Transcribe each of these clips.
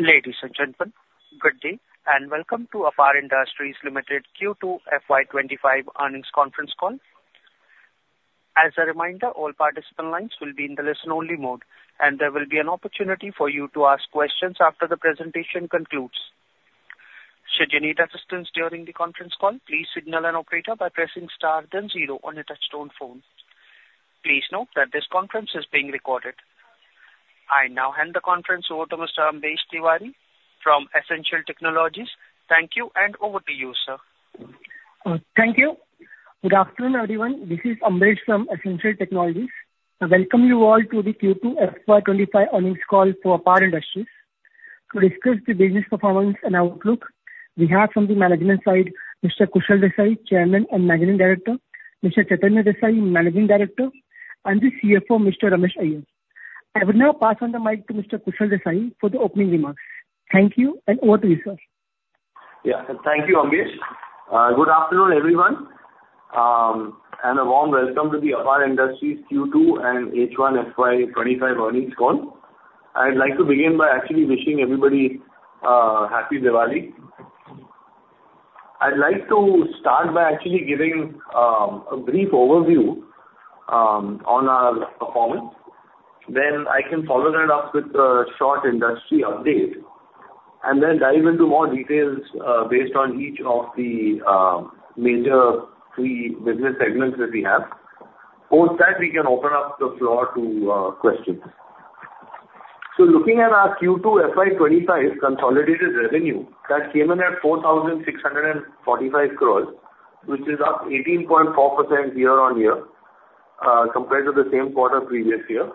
Ladies and gentlemen, good day and welcome to APAR Industries Limited Q2 FY 2025 earnings conference call. As a reminder, all participant lines will be in the listen-only mode, and there will be an opportunity for you to ask questions after the presentation concludes. Should you need assistance during the conference call, please signal an operator by pressing star then zero on a touch-tone phone. Please note that this conference is being recorded. I now hand the conference over to Mr. Ambesh Tiwari from S-Ancial Technologies. Thank you, and over to you, sir. Thank you. Good afternoon, everyone. This is Ambresh from S-Ancial Technologies. I welcome you all to the Q2 FY 2025 earnings call for APAR Industries. To discuss the business performance and outlook, we have from the management side, Mr. Kushal Desai, Chairman and Managing Director, Mr. Chaitanya Desai, Managing Director, and the CFO, Mr. Ramesh Iyer. I would now pass on the mic to Mr. Kushal Desai for the opening remarks. Thank you, and over to you, sir. Yeah, thank you, Ambresh. Good afternoon, everyone, and a warm welcome to the APAR Industries Q2 and H1 FY 2025 earnings call. I'd like to begin by actually wishing everybody a happy Diwali. I'd like to start by actually giving a brief overview on our performance, then I can follow that up with a short industry update, and then dive into more details based on each of the major three business segments that we have. Post that, we can open up the floor to questions, so looking at our Q2 FY 2025 consolidated revenue, that came in at 4,645 crore, which is up 18.4% year-on-year compared to the same quarter previous year,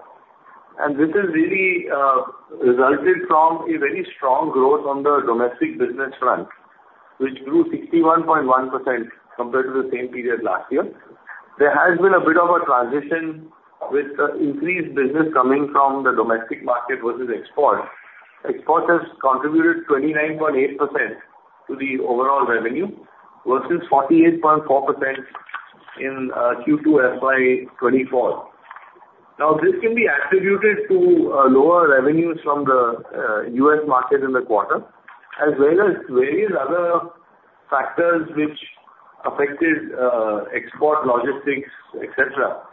and this has really resulted from a very strong growth on the domestic business front, which grew 61.1% compared to the same period last year. There has been a bit of a transition with the increased business coming from the domestic market versus exports. Exports have contributed 29.8% to the overall revenue versus 48.4% in Q2 FY 2024. Now, this can be attributed to lower revenues from the U.S. market in the quarter, as well as various other factors which affected export logistics, etc.,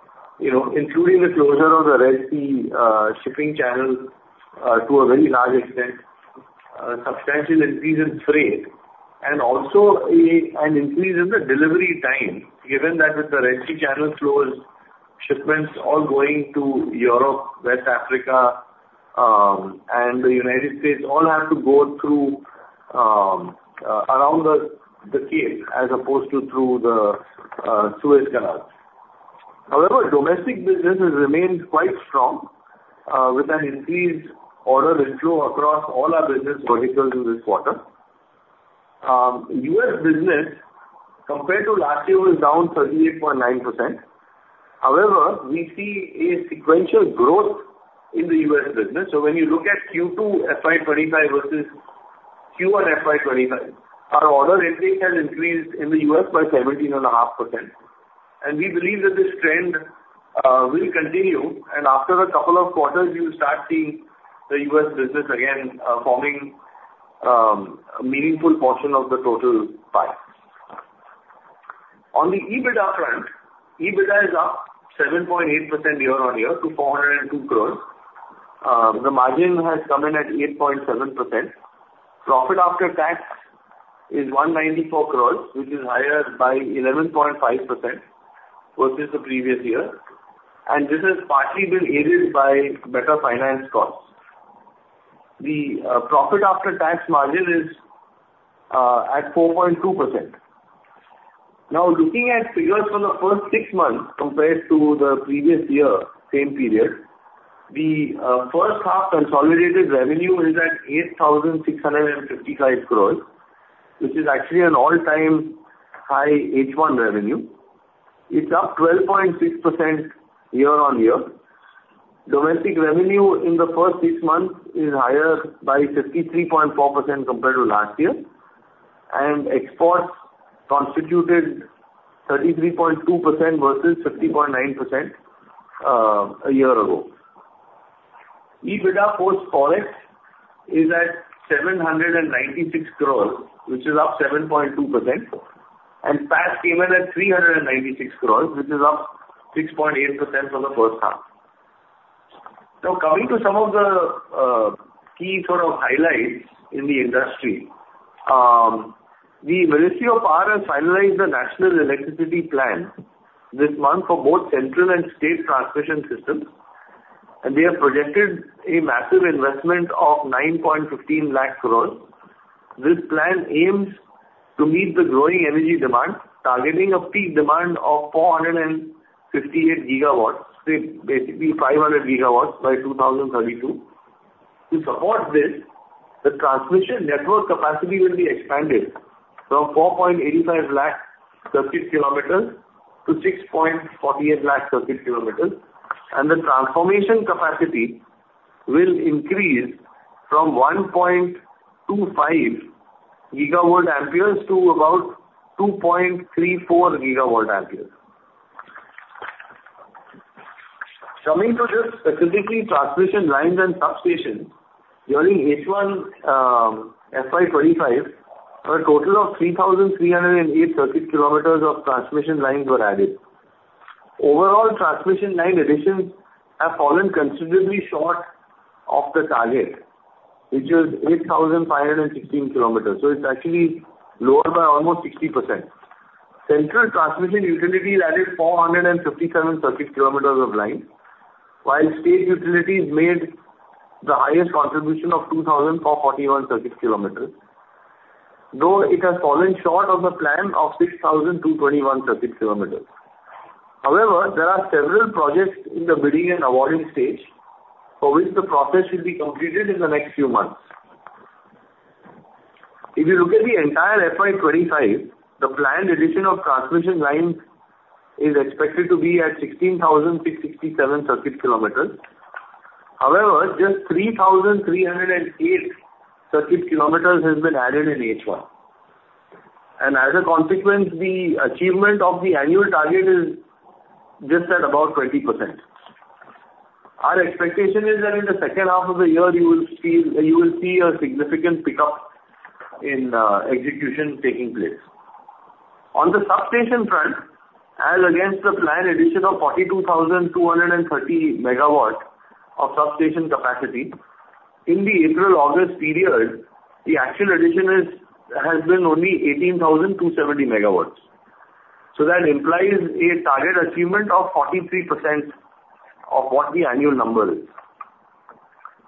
including the closure of the Red Sea shipping channel to a very large extent, a substantial increase in freight, and also an increase in the delivery time, given that with the Red Sea channel closed, shipments all going to Europe, West Africa, and the United States all have to go through around the Cape as opposed to through the Suez Canal. However, domestic business has remained quite strong with an increased order inflow across all our business verticals in this quarter. U.S. business, compared to last year, was down 38.9%. However, we see a sequential growth in the U.S. business. So when you look at Q2 FY 2025 versus Q1 FY 2025, our order intake has increased in the U.S. by 17.5%. And we believe that this trend will continue, and after a couple of quarters, we will start seeing the U.S. business again forming a meaningful portion of the total pie. On the EBITDA front, EBITDA is up 7.8% year-on-year to 402 crore. The margin has come in at 8.7%. Profit after tax is 194 crore, which is higher by 11.5% versus the previous year. And this has partially been aided by better finance costs. The profit after tax margin is at 4.2%. Now, looking at figures for the first six months compared to the previous year, same period, the first half consolidated revenue is at 8,655 crore, which is actually an all-time high H1 revenue. It's up 12.6% year-on-year. Domestic revenue in the first six months is higher by 53.4% compared to last year. Exports constituted 33.2% versus 50.9% a year ago. EBITDA post-forex is at 796 crore, which is up 7.2%, and PAT came in at 396 crore, which is up 6.8% for the first half. Now, coming to some of the key sort of highlights in the industry, the Ministry of Power has finalized the National Electricity Plan this month for both central and state transmission systems, and they have projected a massive investment of 9.15 lakh crore. This plan aims to meet the growing energy demand, targeting a peak demand of 458 GW, basically 500 GW by 2032. To support this, the transmission network capacity will be expanded from 4.85 lakh circuit kilometers to 6.48 lakh circuit kilometers, and the transformation capacity will increase from 1.25 GVA to about 2.34 GVA. Coming to just specifically transmission lines and substations during H1 FY 2025, a total of 3,308 circuit kilometers of transmission lines were added. Overall, transmission line additions have fallen considerably short of the target, which is 8,516 km. So it's actually lower by almost 60%. Central transmission utilities added 457 circuit kilometers of lines, while state utilities made the highest contribution of 2,441 circuit kilometers, though it has fallen short of the plan of 6,221 circuit kilometers. However, there are several projects in the bidding and awarding stage for which the process should be completed in the next few months. If you look at the entire FY 2025, the planned addition of transmission lines is expected to be at 16,667 circuit kilometers. However, just 3,308 circuit kilometers has been added in H1. And as a consequence, the achievement of the annual target is just at about 20%. Our expectation is that in the second half of the year, you will see a significant pickup in execution taking place. On the substation front, as against the planned addition of 42,230 MW of substation capacity, in the April-August period, the actual addition has been only 18,270 MW. So that implies a target achievement of 43% of what the annual number is.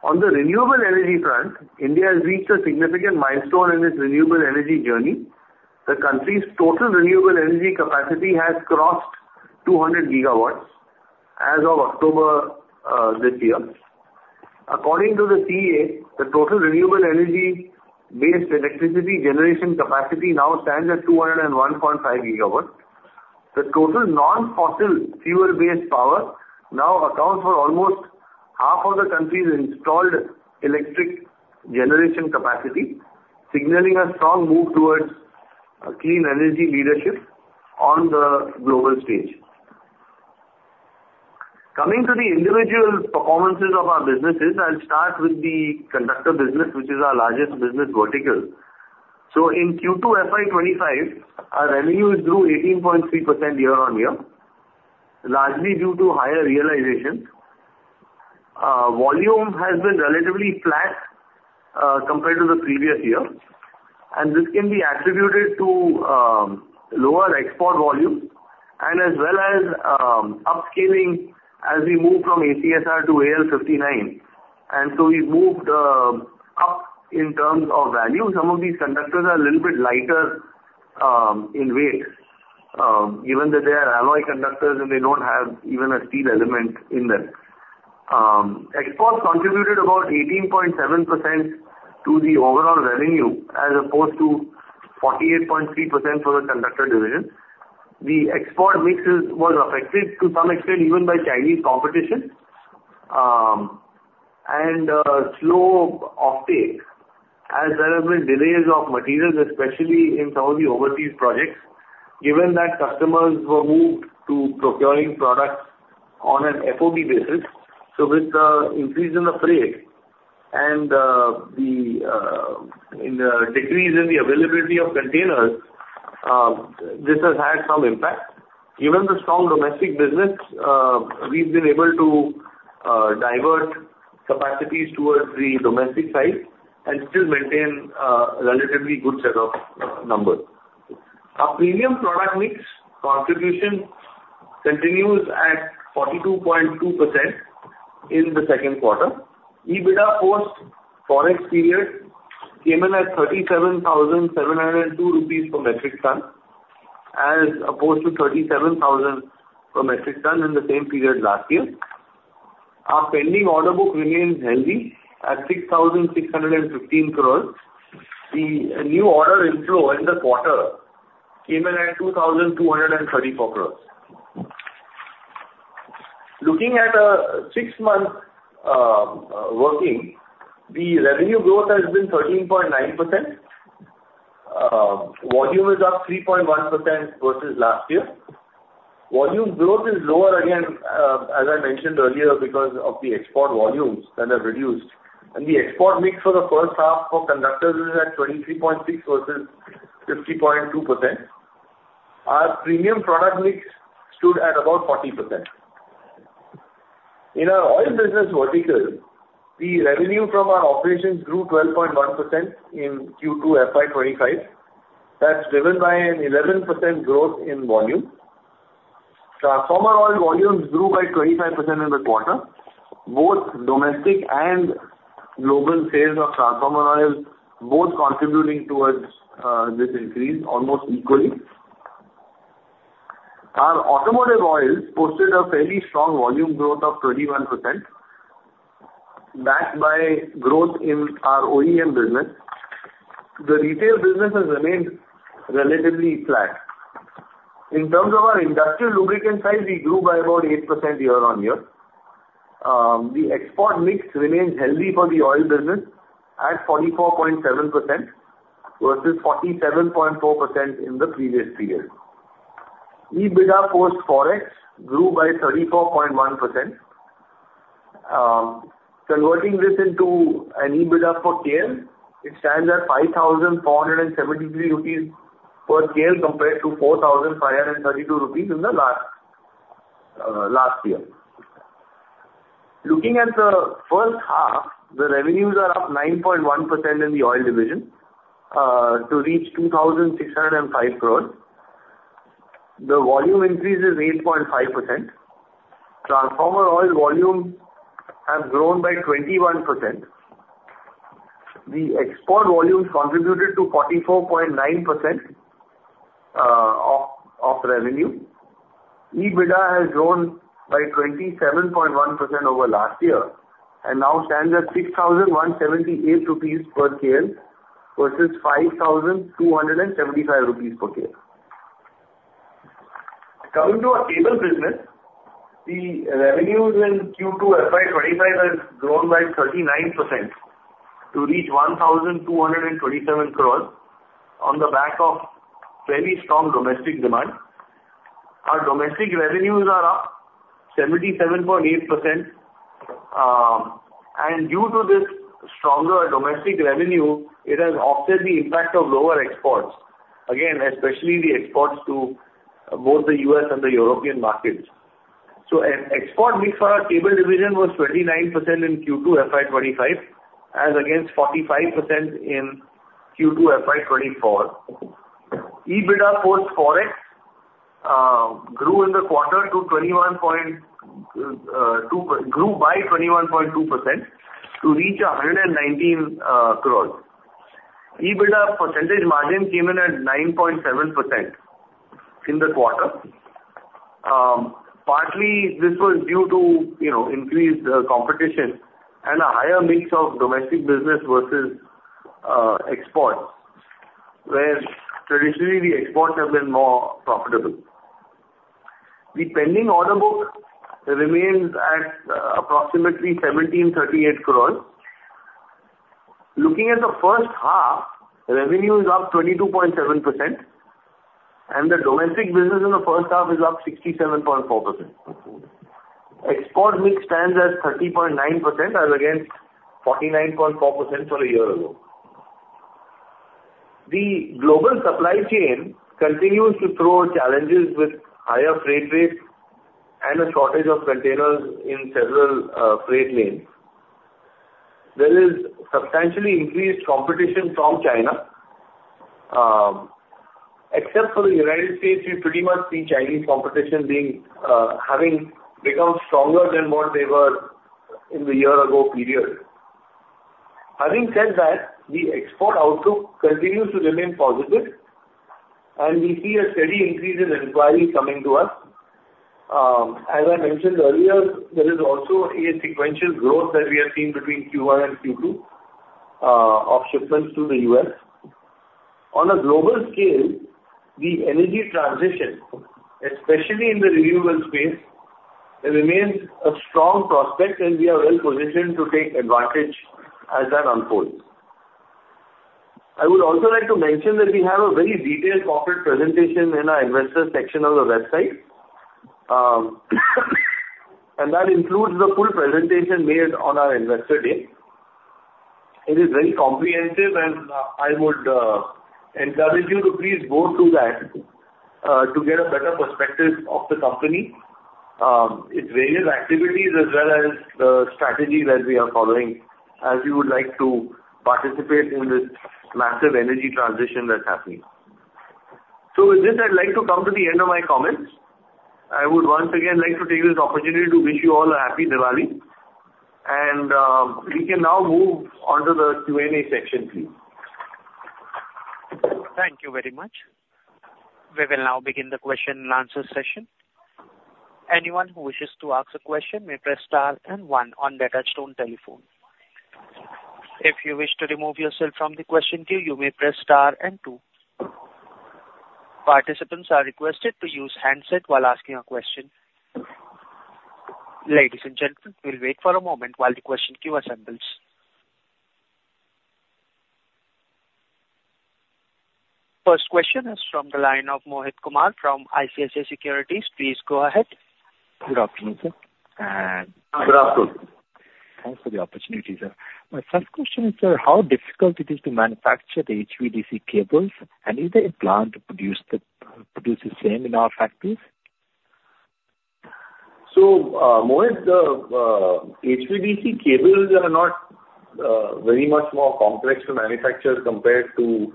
On the renewable energy front, India has reached a significant milestone in its renewable energy journey. The country's total renewable energy capacity has crossed 200 GW as of October this year. According to the CEA, the total renewable energy-based electricity generation capacity now stands at 201.5 GW. The total non-fossil fuel-based power now accounts for almost half of the country's installed electric generation capacity, signaling a strong move towards clean energy leadership on the global stage. Coming to the individual performances of our businesses, I'll start with the conductor business, which is our largest business vertical, so in Q2 FY 2025, our revenue grew 18.3% year-on-year, largely due to higher realization. Volume has been relatively flat compared to the previous year, and this can be attributed to lower export volumes and as well as upscaling as we move from ACSR to AL59, and so we've moved up in terms of value. Some of these conductors are a little bit lighter in weight, given that they are alloy conductors and they don't have even a steel element in them. Exports contributed about 18.7% to the overall revenue as opposed to 48.3% for the conductor division. The export mixes were affected to some extent even by Chinese competition and slow uptake as there have been delays of materials, especially in some of the overseas projects, given that customers were moved to procuring products on an FOB basis. So with the increase in the freight and the decrease in the availability of containers, this has had some impact. Given the strong domestic business, we've been able to divert capacities towards the domestic side and still maintain a relatively good set of numbers. Our premium product mix contribution continues at 42.2% in the second quarter. EBITDA post-forex period came in at 37,702 rupees per metric ton as opposed to 37,000 per metric ton in the same period last year. Our pending order book remains healthy at 6,615 crore. The new order inflow in the quarter came in at 2,234 crore. Looking at a six-month working, the revenue growth has been 13.9%. Volume is up 3.1% versus last year. Volume growth is lower again, as I mentioned earlier, because of the export volumes that have reduced, and the export mix for the first half for conductors is at 23.6% versus 50.2%. Our premium product mix stood at about 40%. In our oil business vertical, the revenue from our operations grew 12.1% in Q2 FY 2025. That's driven by an 11% growth in volume. Transformer oil volumes grew by 25% in the quarter, both domestic and global sales of transformer oils, both contributing towards this increase almost equally. Our automotive oils posted a fairly strong volume growth of 21%, backed by growth in our OEM business. The retail business has remained relatively flat. In terms of our industrial lubricant side, we grew by about 8% year-on-year. The export mix remains healthy for the oil business at 44.7% versus 47.4% in the previous period. EBITDA post-forex grew by 34.1%. Converting this into an EBITDA per KL, it stands at 5,473 rupees per KL compared to 4,532 rupees in the last year. Looking at the first half, the revenues are up 9.1% in the oil division to reach 2,605 crore. The volume increase is 8.5%. Transformer oil volumes have grown by 21%. The export volumes contributed to 44.9% of revenue. EBITDA has grown by 27.1% over last year and now stands at 6,178 rupees per KL versus 5,275 rupees per KL. Coming to our cable business, the revenues in Q2 FY 2025 have grown by 39% to reach 1,227 crore on the back of fairly strong domestic demand. Our domestic revenues are up 77.8%. And due to this stronger domestic revenue, it has offset the impact of lower exports, again, especially the exports to both the U.S. and the European markets. So export mix for our cable division was 29% in Q2 FY 2025 as against 45% in Q2 FY 2024. EBITDA post-forex grew by 21.2% to reach 119 crore. EBITDA percentage margin came in at 9.7% in the quarter. Partly, this was due to increased competition and a higher mix of domestic business versus exports, where traditionally the exports have been more profitable. The pending order book remains at approximately 1,738 crore. Looking at the first half, revenues are up 22.7%, and the domestic business in the first half is up 67.4%. Export mix stands at 30.9% as against 49.4% for a year ago. The global supply chain continues to throw challenges with higher freight rates and a shortage of containers in several freight lanes. There is substantially increased competition from China. Except for the United States, we pretty much see Chinese competition having become stronger than what they were in the year-ago period. Having said that, the export outlook continues to remain positive, and we see a steady increase in inquiries coming to us. As I mentioned earlier, there is also a sequential growth that we have seen between Q1 and Q2 of shipments to the U.S. On a global scale, the energy transition, especially in the renewable space, remains a strong prospect, and we are well-positioned to take advantage as that unfolds. I would also like to mention that we have a very detailed corporate presentation in our investor section of the website, and that includes the full presentation made on our investor day. It is very comprehensive, and I would encourage you to please go to that to get a better perspective of the company, its various activities, as well as the strategy that we are following, as you would like to participate in this massive energy transition that's happening. So with this, I'd like to come to the end of my comments. I would once again like to take this opportunity to wish you all a happy Diwali, and we can now move on to the Q&A section, please. Thank you very much. We will now begin the question-and-answer session. Anyone who wishes to ask a question may press star and one on the touch-tone telephone. If you wish to remove yourself from the question queue, you may press star and two. Participants are requested to use handset while asking a question. Ladies and gentlemen, we'll wait for a moment while the question queue assembles. First question is from the line of Mohit Kumar from ICICI Securities. Please go ahead. Good afternoon, sir. Good afternoon. Thanks for the opportunity, sir. My first question is, sir, how difficult it is to manufacture the HVDC cables, and is there a plan to produce the same in our factories? So Mohit, the HVDC cables are not very much more complex to manufacture compared to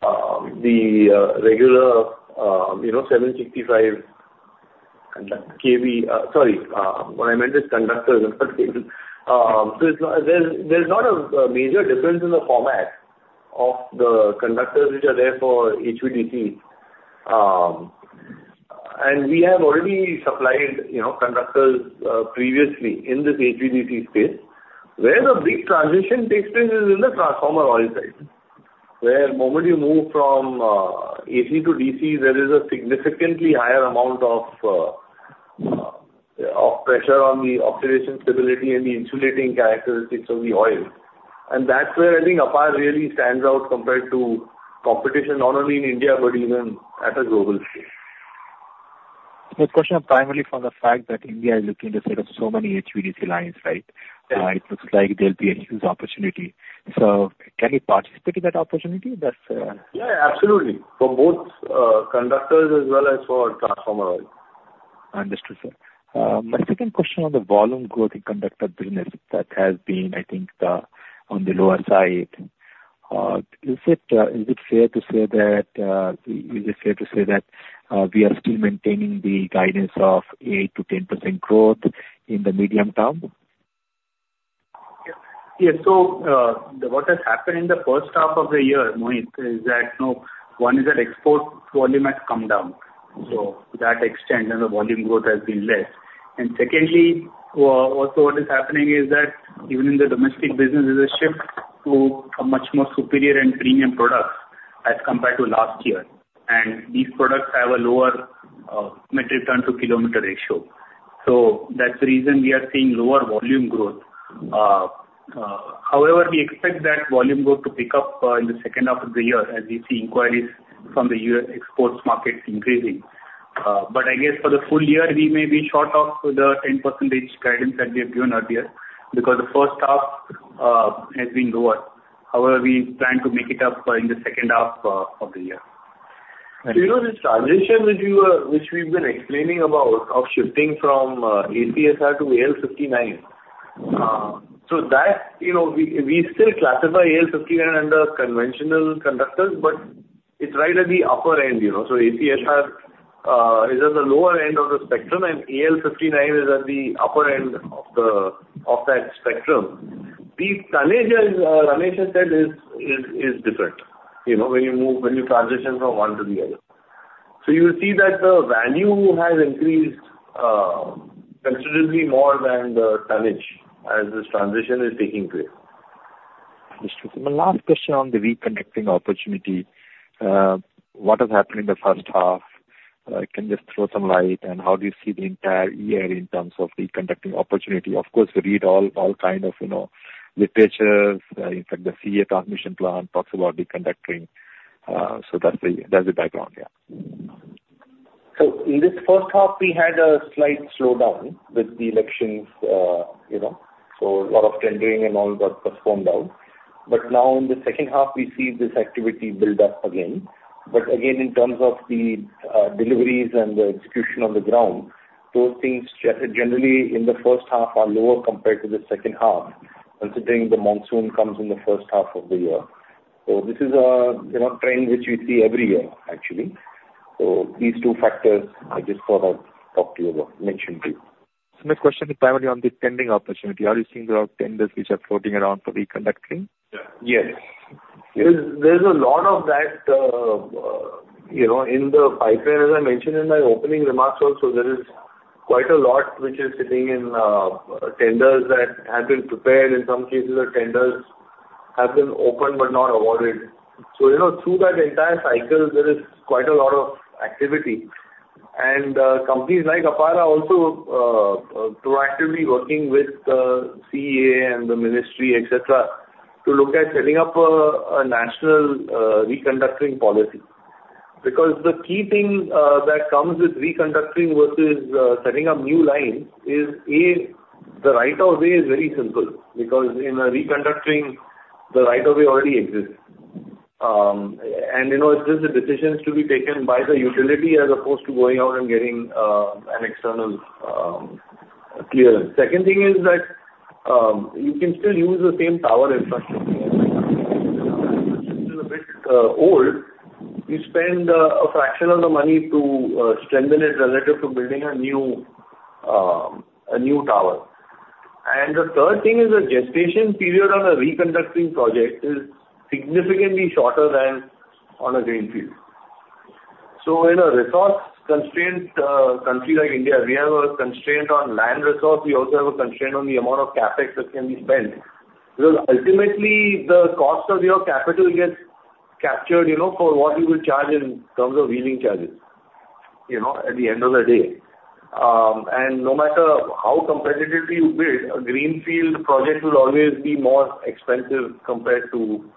the regular 765 kV. Sorry, what I meant is conductors. So there's not a major difference in the format of the conductors which are there for HVDCs. And we have already supplied conductors previously in this HVDC space, where the big transition takes place is in the transformer oil side. Whereas the moment you move from AC to DC, there is a significantly higher amount of pressure on the oxidation stability and the insulating characteristics of the oil. And that's where I think APAR really stands out compared to competition not only in India but even at a global scale. This question is primarily from the fact that India is looking to set up so many HVDC lines, right? It looks like there'll be a huge opportunity. So can you participate in that opportunity? Yeah, absolutely. For both conductors as well as for transformer oil. Understood, sir. My second question on the volume growth in conductor business that has been, I think, on the lower side. Is it fair to say that we are still maintaining the guidance of 8%-10% growth in the medium-term? Yeah. What has happened in the first half of the year, Mohit, is that one is that export volume has come down to that extent, and the volume growth has been less. And secondly, also what is happening is that even in the domestic business, there's a shift to a much more superior and premium product as compared to last year. And these products have a lower metric ton to kilometer ratio. So that's the reason we are seeing lower volume growth. However, we expect that volume growth to pick up in the second half of the year as we see inquiries from the export market increasing. But I guess for the full year, we may be short of the 10% guidance that we have given earlier because the first half has been lower. However, we plan to make it up in the second half of the year. So this transition which we've been explaining about of shifting from ACSR to AL59. So we still classify AL59 under conventional conductors, but it's right at the upper end. So ACSR is at the lower end of the spectrum, and AL59 is at the upper end of that spectrum. The tonnage, as Ramesh has said, is different when you transition from one to the other. So you will see that the value has increased considerably more than the tonnage as this transition is taking place. Understood. My last question on the reconductoring opportunity. What has happened in the first half? Can you just throw some light on how do you see the entire year in terms of the reconductoring opportunity? Of course, we read all kinds of literature. In fact, the CEA transmission plan talks about the reconductoring. So that's the background, yeah. So in this first half, we had a slight slowdown with the elections. So a lot of tendering and all got performed out. But now in the second half, we see this activity build up again. But again, in terms of the deliveries and the execution on the ground, those things generally in the first half are lower compared to the second half, considering the monsoon comes in the first half of the year. So this is a trend which we see every year, actually. So these two factors I just thought I'd talk to you about, mention to you. So my question is primarily on the tendering opportunity. Are you seeing there are tenders which are floating around for the conductoring? Yes. There's a lot of that in the pipeline, as I mentioned in my opening remarks also there is quite a lot which is sitting in tenders that have been prepared. In some cases, the tenders have been opened but not awarded. So through that entire cycle, there is quite a lot of activity. And companies like APAR are also proactively working with the CEA and the ministry, etc., to look at setting up a national reconductoring policy. Because the key thing that comes with reconductoring versus setting up new lines is, A, the right of way is very simple because in reconductoring, the right of way already exists. And it's just a decision to be taken by the utility as opposed to going out and getting an external clearance. Second thing is that you can still use the same tower infrastructure. The infrastructure is a bit old. You spend a fraction of the money to strengthen it relative to building a new tower. And the third thing is the gestation period on a reconductoring project is significantly shorter than on a greenfield. So in a resource-constrained country like India, we have a constraint on land resource. We also have a constraint on the amount of CapEx that can be spent. Because ultimately, the cost of your capital gets captured for what you will charge in terms of wheeling charges at the end of the day. And no matter how competitively you bid, a greenfield project will always be more expensive compared to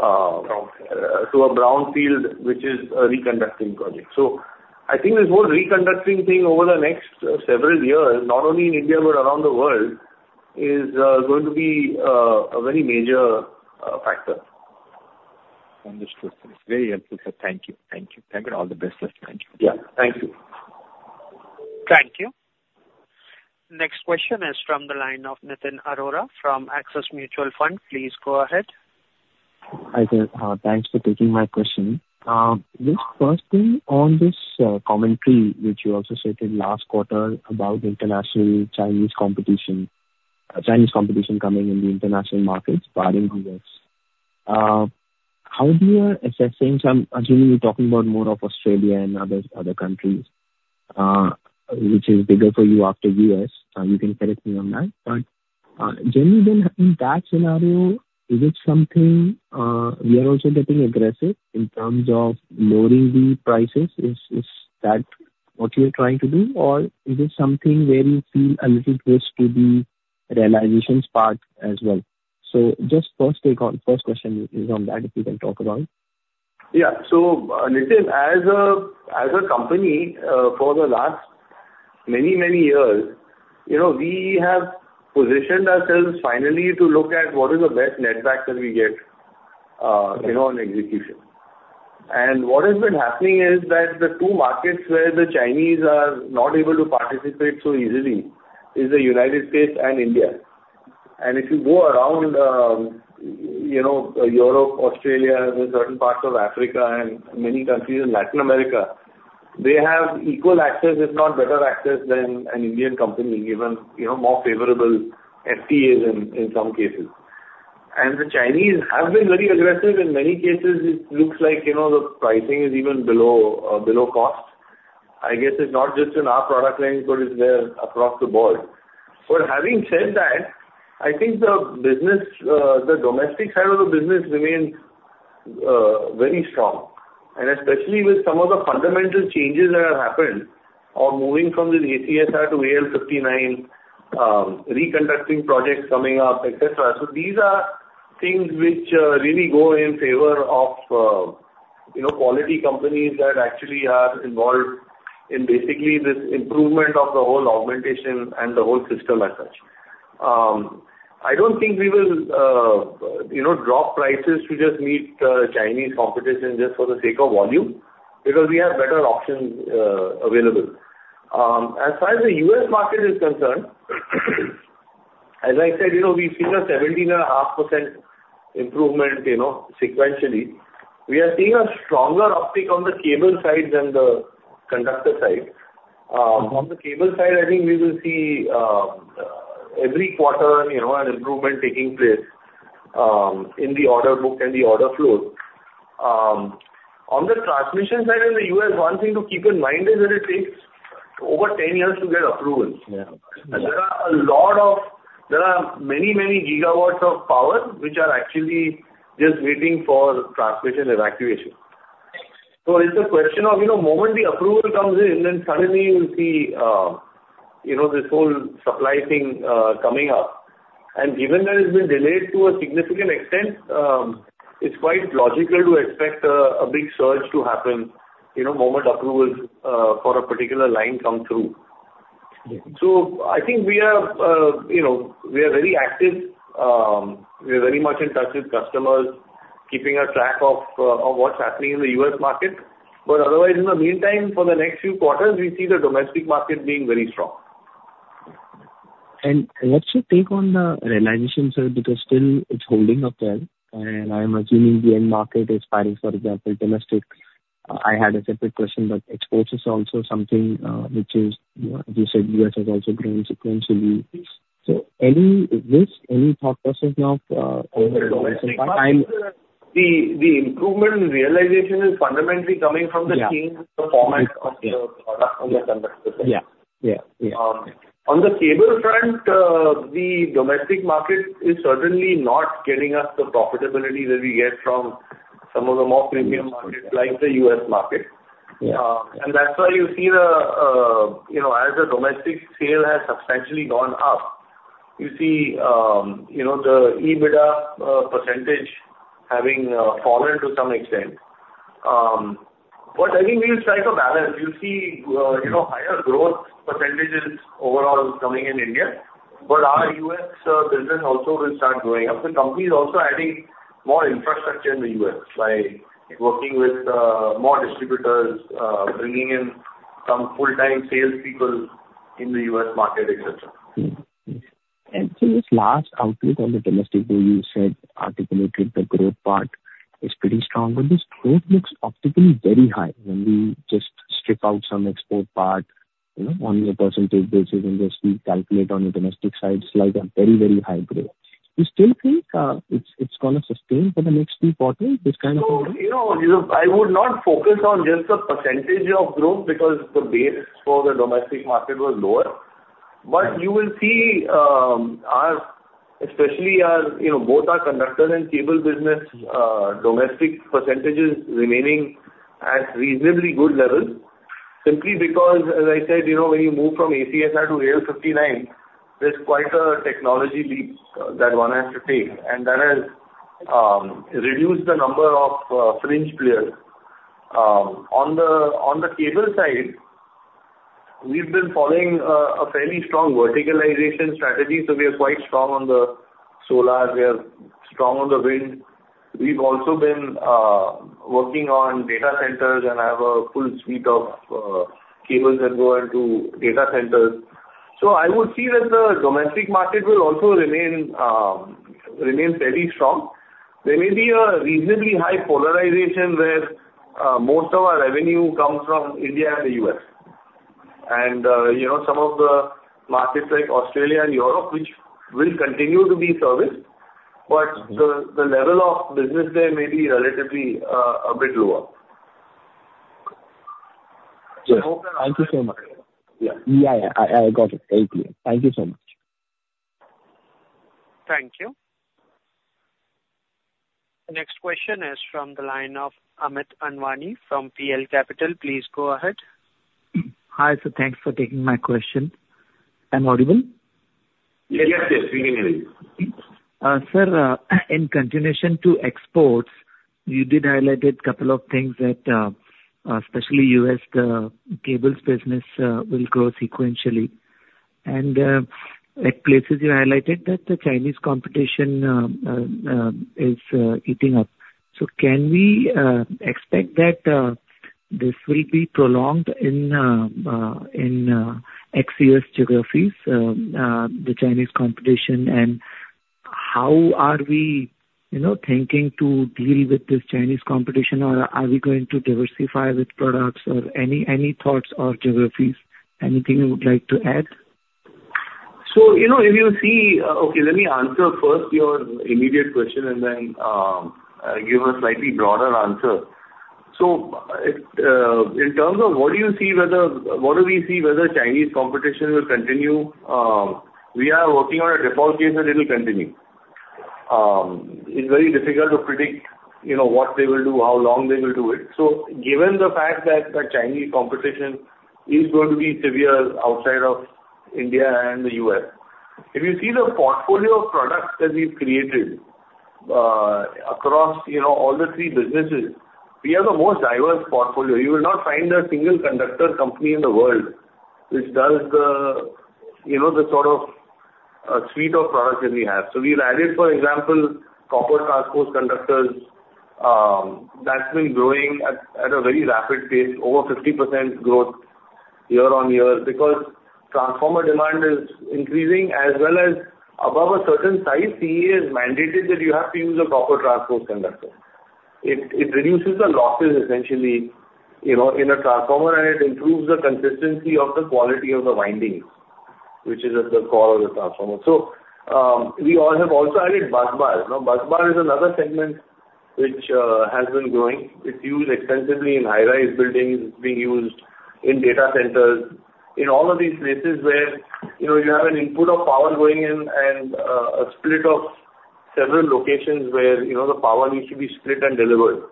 a brownfield, which is a reconductoring project. So I think this whole reconductoring thing over the next several years, not only in India but around the world, is going to be a very major factor. Understood. Very helpful. Thank you. Thank you. Thank you. All the best. Thank you. Yeah. Thank you. Thank you. Next question is from the line of Nitin Arora from Axis Mutual Fund. Please go ahead. Thanks for taking my question. Just first thing on this commentary which you also said in last quarter about the international Chinese competition coming in the international markets, barring the U.S. How do you assess things? I'm assuming you're talking about more of Australia and other countries, which is bigger for you after the U.S. You can correct me on that. But generally, in that scenario, is it something we are also getting aggressive in terms of lowering the prices? Is that what you're trying to do or is it something where you feel a little push to the realizations part as well? So just first question is on that, if you can talk about. Yeah. So, Nitin, as a company for the last many, many years, we have positioned ourselves finally to look at what is the best net back that we get on execution. And what has been happening is that the two markets where the Chinese are not able to participate so easily is the United States and India. And if you go around Europe, Australia, and certain parts of Africa and many countries in Latin America, they have equal access, if not better access than an Indian company, given more favorable FTAs in some cases. And the Chinese have been very aggressive. In many cases, it looks like the pricing is even below cost. I guess it's not just in our product line, but it's there across the board. But having said that, I think the domestic side of the business remains very strong, and especially with some of the fundamental changes that have happened or moving from the ACSR to AL59, reconductoring projects coming up, etc. So these are things which really go in favor of quality companies that actually are involved in basically this improvement of the whole augmentation and the whole system as such. I don't think we will drop prices to just meet Chinese competition just for the sake of volume because we have better options available. As far as the U.S. market is concerned, as I said, we've seen a 17.5% improvement sequentially. We are seeing a stronger uptick on the cable side than the conductor side. On the cable side, I think we will see every quarter an improvement taking place in the order book and the order flows. On the transmission side in the U.S., one thing to keep in mind is that it takes over 10 years to get approvals. And there are many, many gigawatts of power which are actually just waiting for transmission evacuation. So it's a question of the moment the approval comes in, then suddenly you'll see this whole supply thing coming up. And given that it's been delayed to a significant extent, it's quite logical to expect a big surge to happen the moment approvals for a particular line come through. So I think we are very active. We are very much in touch with customers, keeping a track of what's happening in the U.S. market. But otherwise, in the meantime, for the next few quarters, we see the domestic market being very strong. And what's your take on the realizations, sir? Because still it's holding up there. And I'm assuming the end market is fine. For example, domestic, I had a separate question, but exports is also something which is, as you said, the U.S. has also grown sequentially. So any thoughts on that? The improvement in realization is fundamentally coming from the change, [the format of the product on the conductor side]. On the cable front, the domestic market is certainly not getting us the profitability that we get from some of the more premium markets like the U.S. market. And that's why you see, as the domestic sale has substantially gone up, you see the EBITDA percentage having fallen to some extent. But I think we will strike a balance. You see higher growth percentages overall coming in India. But our U.S. business also will start growing. The company is also adding more infrastructure in the U.S. by working with more distributors, bringing in some full-time salespeople in the U.S. market, etc. And to this last outlook on the domestic, though you said articulated the growth part is pretty strong, but this growth looks optically very high when we just strip out some export part on a percentage basis and just calculate on the domestic side. It's like a very, very high growth. You still think it's going to sustain for the next few quarters, this kind of growth? I would not focus on just the percentage of growth because the base for the domestic market was lower. But you will see, especially both our conductor and cable business, domestic percentages remaining at reasonably good levels simply because, as I said, when you move from ACSR to AL59, there's quite a technology leap that one has to take. And that has reduced the number of fringe players. On the cable side, we've been following a fairly strong verticalization strategy. So we are quite strong on the solar. We are strong on the wind. We've also been working on data centers and have a full suite of cables that go into data centers. So I would see that the domestic market will also remain fairly strong. There may be a reasonably high polarization where most of our revenue comes from India and the U.S. And some of the markets like Australia and Europe, which will continue to be serviced, but the level of business there may be relatively a bit lower. Thank you so much. Yeah. Yeah. I got it. Thank you. Thank you so much. Thank you. Next question is from the line of Amit Anwani from PL Capital. Please go ahead. Hi, sir. Thanks for taking my question. Am I audible? Yes, yes. We can hear you. Sir, in continuation to exports, you did highlight a couple of things that especially U.S. cable business will grow sequentially. And at places you highlighted that the Chinese competition is eating up. So can we expect that this will be prolonged in ex-U.S. geographies, the Chinese competition? And how are we thinking to deal with this Chinese competition? Or are we going to diversify with products? Or any thoughts or geographies? Anything you would like to add? So if you see okay, let me answer first your immediate question and then give a slightly broader answer. So in terms of what do we see whether Chinese competition will continue? We are working on a default case that it will continue. It's very difficult to predict what they will do, how long they will do it. So given the fact that the Chinese competition is going to be severe outside of India and the U.S., if you see the portfolio of products that we've created across all the three businesses, we have the most diverse portfolio. You will not find a single conductor company in the world which does the sort of suite of products that we have. We've added, for example, CTC conductors that's been growing at a very rapid pace, over 50% growth year-on-year because transformer demand is increasing. As well as above a certain size, CEA has mandated that you have to use a CTC conductor. It reduces the losses essentially in a transformer, and it improves the consistency of the quality of the winding, which is at the core of the transformer. We've also added busbars. Busbar is another segment which has been growing. It's used extensively in high-rise buildings. It's being used in data centers, in all of these places where you have an input of power going in and a split of several locations where the power needs to be split and delivered.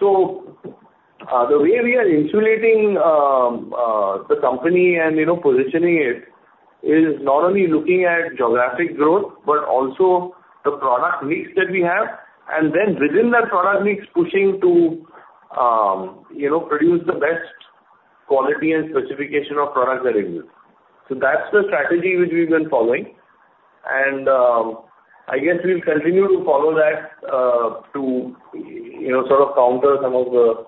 The way we are insulating the company and positioning it is not only looking at geographic growth, but also the product mix that we have, and then within that product mix, pushing to produce the best quality and specification of products that exist. That's the strategy which we've been following. I guess we'll continue to follow that to sort of counter some of the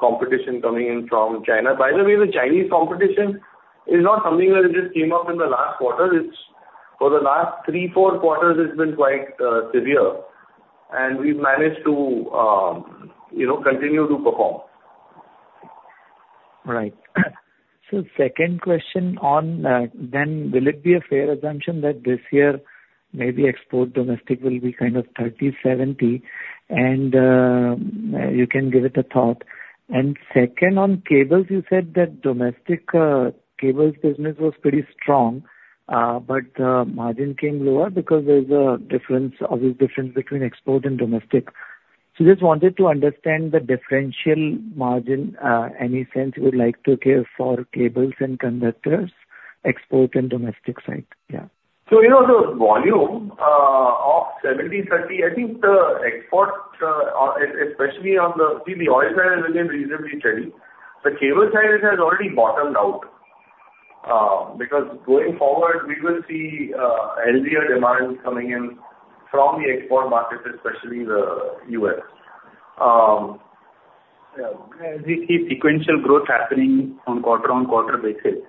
competition coming in from China. By the way, the Chinese competition is not something that just came up in the last quarter. For the last three, four quarters, it's been quite severe. We've managed to continue to perform. Right. Second question on then, will it be a fair assumption that this year maybe export domestic will be kind of 30/70, and you can give it a thought? Second, on cables, you said that domestic cables business was pretty strong, but the margin came lower because there's a difference, obvious difference between export and domestic. So just wanted to understand the differential margin. Any sense you would like to give for cables and conductors, export and domestic side? Yeah. So the volume of 17,300, I think the export, especially on the specialty, the oil side has been reasonably steady. The cable side has already bottomed out because going forward, we will see healthier demand coming in from the export markets, especially the U.S. As you see sequential growth happening on quarter-on-quarter basis.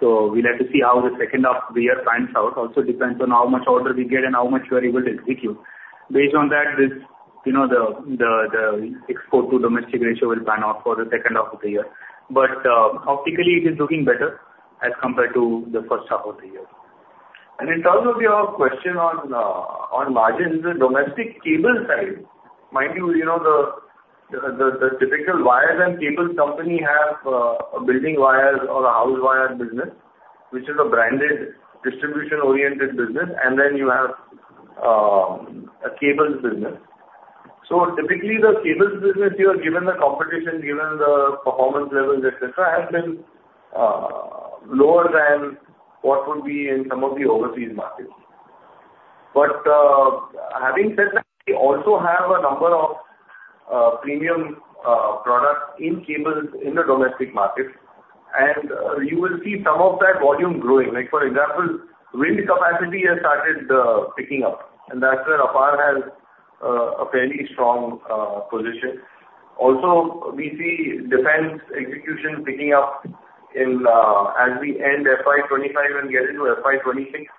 So we'll have to see how the second half of the year pans out. Also depends on how much order we get and how much we are able to execute. Based on that, the export-to-domestic ratio will pan out for the second half of the year, but optically, it is looking better as compared to the first half of the year, and in terms of your question on margins, the domestic cable side, mind you, the typical wires and cables company have a building wire or a house wire business, which is a branded distribution-oriented business, and then you have a cables business, so typically, the cables business here, given the competition, given the performance levels, etc., has been lower than what would be in some of the overseas markets, but having said that, we also have a number of premium products in cables in the domestic market, and you will see some of that volume growing. For example, wind capacity has started picking up, and that's where APAR has a fairly strong position. Also, we see defense execution picking up as we end FY 2025 and get into FY 2026,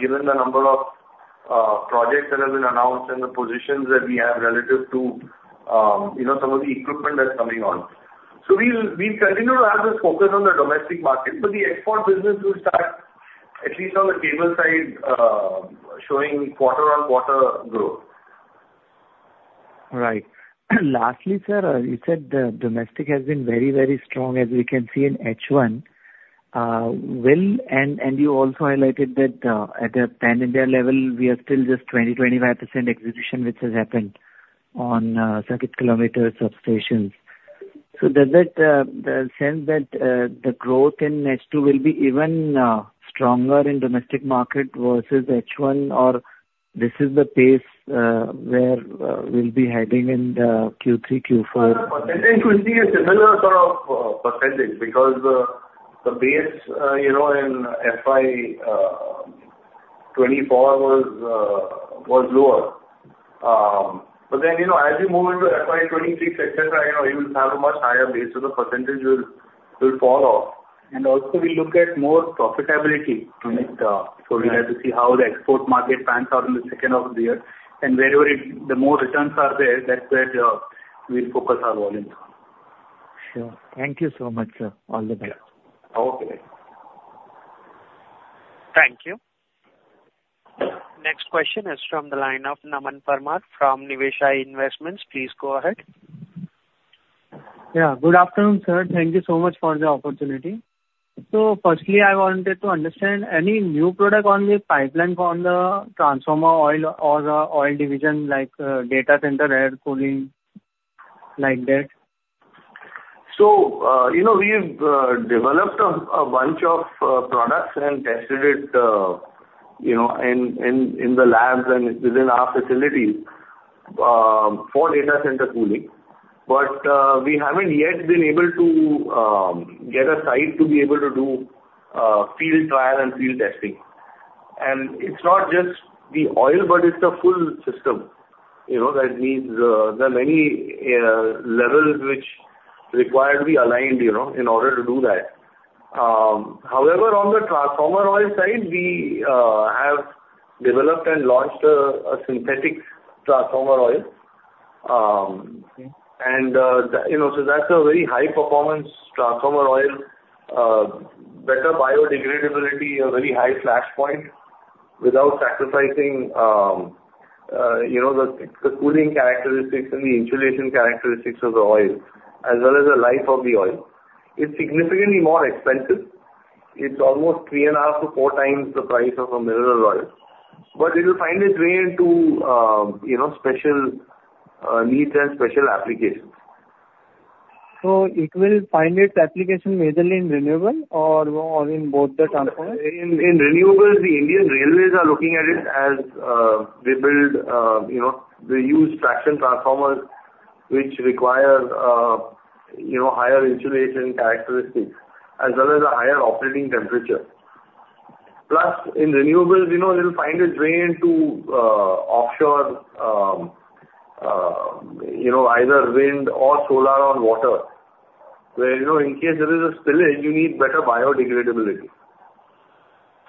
given the number of projects that have been announced and the positions that we have relative to some of the equipment that's coming on. So we'll continue to have this focus on the domestic market, but the export business will start, at least on the cable side, showing quarter-on-quarter growth. Right. Lastly, sir, you said the domestic has been very, very strong, as we can see in H1. And you also highlighted that at the pan-India level, we are still just 20%, 25% execution, which has happened on circuit kilometers and substations. So does that sense that the growth in H2 will be even stronger in domestic market versus H1, or this is the pace where we'll be heading in Q3, Q4? Percentage would be a similar sort of percentage because the base in FY 2024 was lower. But then as you move into FY 2026, etc., you will have a much higher base, so the percentage will fall off. And also, we look at more profitability. So we'll have to see how the export market pans out in the second half of the year. And wherever the more returns are there, that's where we'll focus our volume. Sure. Thank you so much, sir. All the best. Okay. Thank you. Next question is from the line of Naman Parmar from Niveshaay. Please go ahead. Yeah. Good afternoon, sir. Thank you so much for the opportunity. So firstly, I wanted to understand any new product in the pipeline for the transformer oil or oil division, like data center, air cooling, like that? So we've developed a bunch of products and tested it in the labs and within our facilities for data center cooling. But we haven't yet been able to get a site to be able to do field trial and field testing. And it's not just the oil, but it's a full system that needs the many levels which required to be aligned in order to do that. However, on the transformer oil side, we have developed and launched a synthetic transformer oil. And so that's a very high-performance transformer oil, better biodegradability, a very high flash point without sacrificing the cooling characteristics and the insulation characteristics of the oil, as well as the life of the oil. It's significantly more expensive. It's almost 3.5x-4x the price of a mineral oil. But it will find its way into special needs and special applications. So it will find its application mainly in renewables or in both the transformers? In renewables, the Indian Railways are looking at it as they build the new traction transformers, which require higher insulation characteristics as well as a higher operating temperature. Plus, in renewables, it'll find its way into offshore, either wind or solar on water, where in case there is a spillage, you need better biodegradability.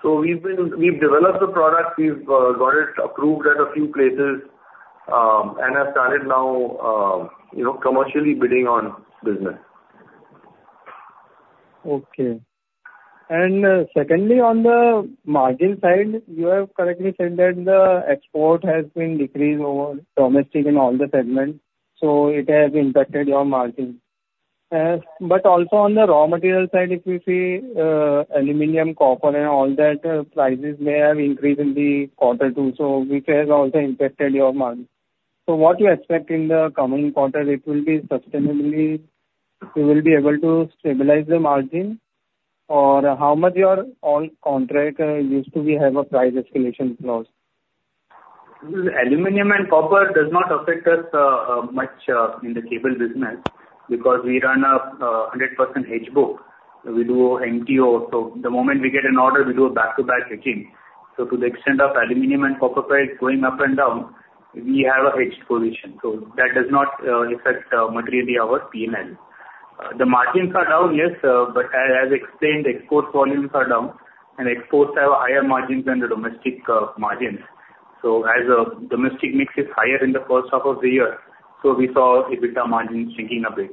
So we've developed the product. We've got it approved at a few places and have started now commercially bidding on business. Okay. And secondly, on the margin side, you have correctly said that the export has been decreased over domestic in all the segments. So it has impacted your margin. But also on the raw material side, if you see aluminum, copper, and all that, prices may have increased in the quarter too, which has also impacted your margin. So what do you expect in the coming quarter? It will be sustainable. You will be able to stabilize the margin, or how much your contract used to have a price escalation clause? Aluminum and copper does not affect us much in the cable business because we run a 100% hedge book. We do MTO. So the moment we get an order, we do a back-to-back hedging. So to the extent of aluminum and copper price going up and down, we have a hedged position. So that does not affect materially our P&L. The margins are down, yes. But as explained, export volumes are down, and exports have a higher margin than the domestic margins. So as domestic mix is higher in the first half of the year, so we saw EBITDA margins shrinking a bit.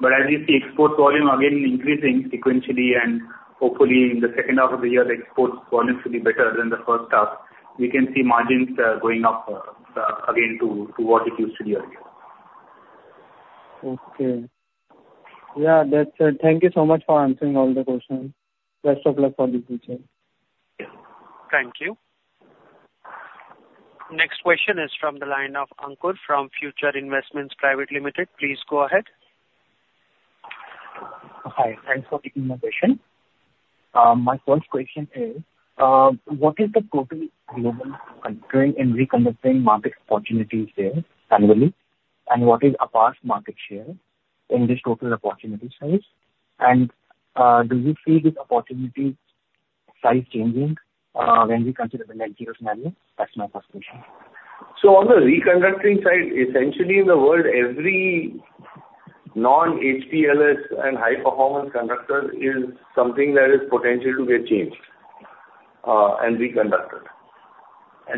But as you see export volume again increasing sequentially, and hopefully in the second half of the year, the export volume should be better than the first half, we can see margins going up again to what it used to be earlier. Okay. Yeah. Thank you so much for answering all the questions. Best of luck for the future. Thank you. Next question is from the line of Ankur from Future Investments Private Limited. Please go ahead. Hi. Thanks for taking my question. My first question is, what is the total global reconductoring market opportunities there annually? And what is APAR's market share in this total opportunity size? And do you see this opportunity size changing when we consider the net zero scenario? That's my first question. On the reconductoring side, essentially in the world, every non-HPLS and high-performance conductor is something that is potential to get changed and reconductored.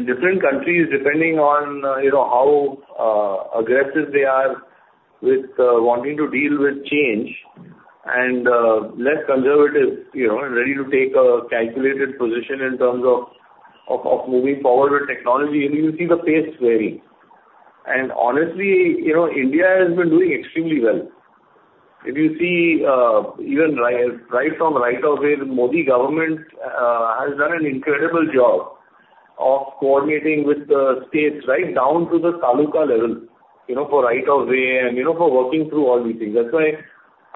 Different countries, depending on how aggressive they are with wanting to deal with change and less conservative and ready to take a calculated position in terms of moving forward with technology, you see the pace varying. And honestly, India has been doing extremely well. If you see even right from right away, the Modi government has done an incredible job of coordinating with the states right down to the Taluka level for right of way and for working through all these things. That's why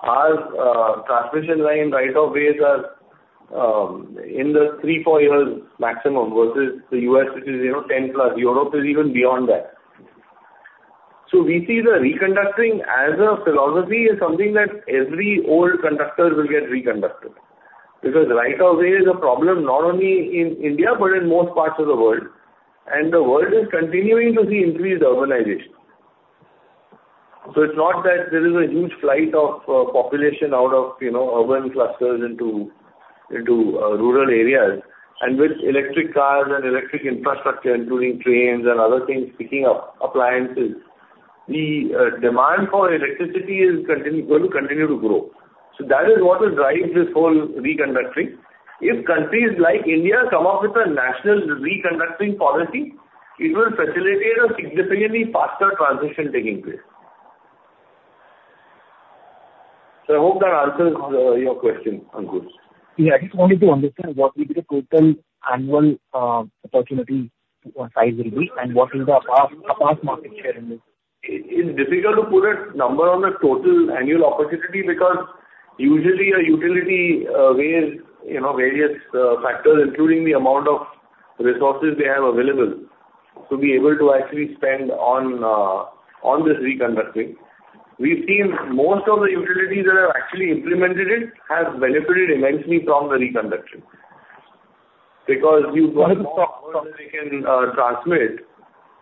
our transmission line right of way is in the three, four years maximum versus the U.S., which is 10+. Europe is even beyond that. So we see the reconductoring as a philosophy is something that every old conductor will get reconductored because right of way is a problem not only in India but in most parts of the world. And the world is continuing to see increased urbanization. So it's not that there is a huge flight of population out of urban clusters into rural areas. And with electric cars and electric infrastructure, including trains and other things, picking up appliances, the demand for electricity is going to continue to grow. So that is what will drive this whole reconductoring. If countries like India come up with a national reconductoring policy, it will facilitate a significantly faster transition taking place. So I hope that answers your question, Ankur. Yeah. I just wanted to understand what would be the total annual opportunity size will be and what is the APAR's market share in this? It's difficult to put a number on the total annual opportunity because usually a utility weighs various factors, including the amount of resources they have available to be able to actually spend on this reconductoring. We've seen most of the utilities that have actually implemented it have benefited immensely from the reconductoring because you've got the cost that they can transmit,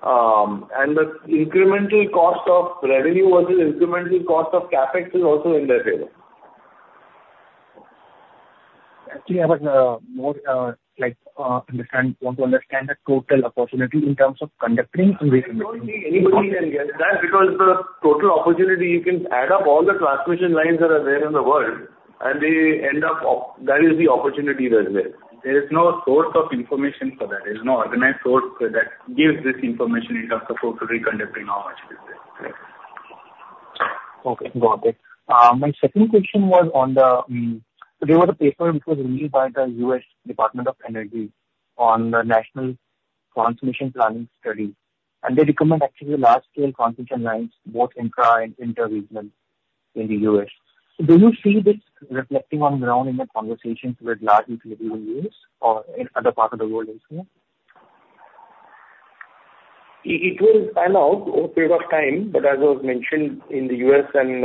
and the incremental cost of revenue versus incremental cost of CapEx is also in their favor. Actually, I would like to understand the total opportunity in terms of conductors and reconductoring. That's because the total opportunity, you can add up all the transmission lines that are there in the world, and they end up that is the opportunity there. There is no source of information for that. There is no organized source that gives this information in terms of total reconductoring how much it is. Okay. Got it. My second question was on. There was a paper which was released by the U.S. Department of Energy on the National Transmission Planning Study, and they recommend actually large-scale transmission lines, both intra and inter-regional in the U.S. Do you see this reflecting on the ground in the conversations with large utility vendors or in other parts of the world as well? It will pan out over a period of time, but as I mentioned, in the U.S. and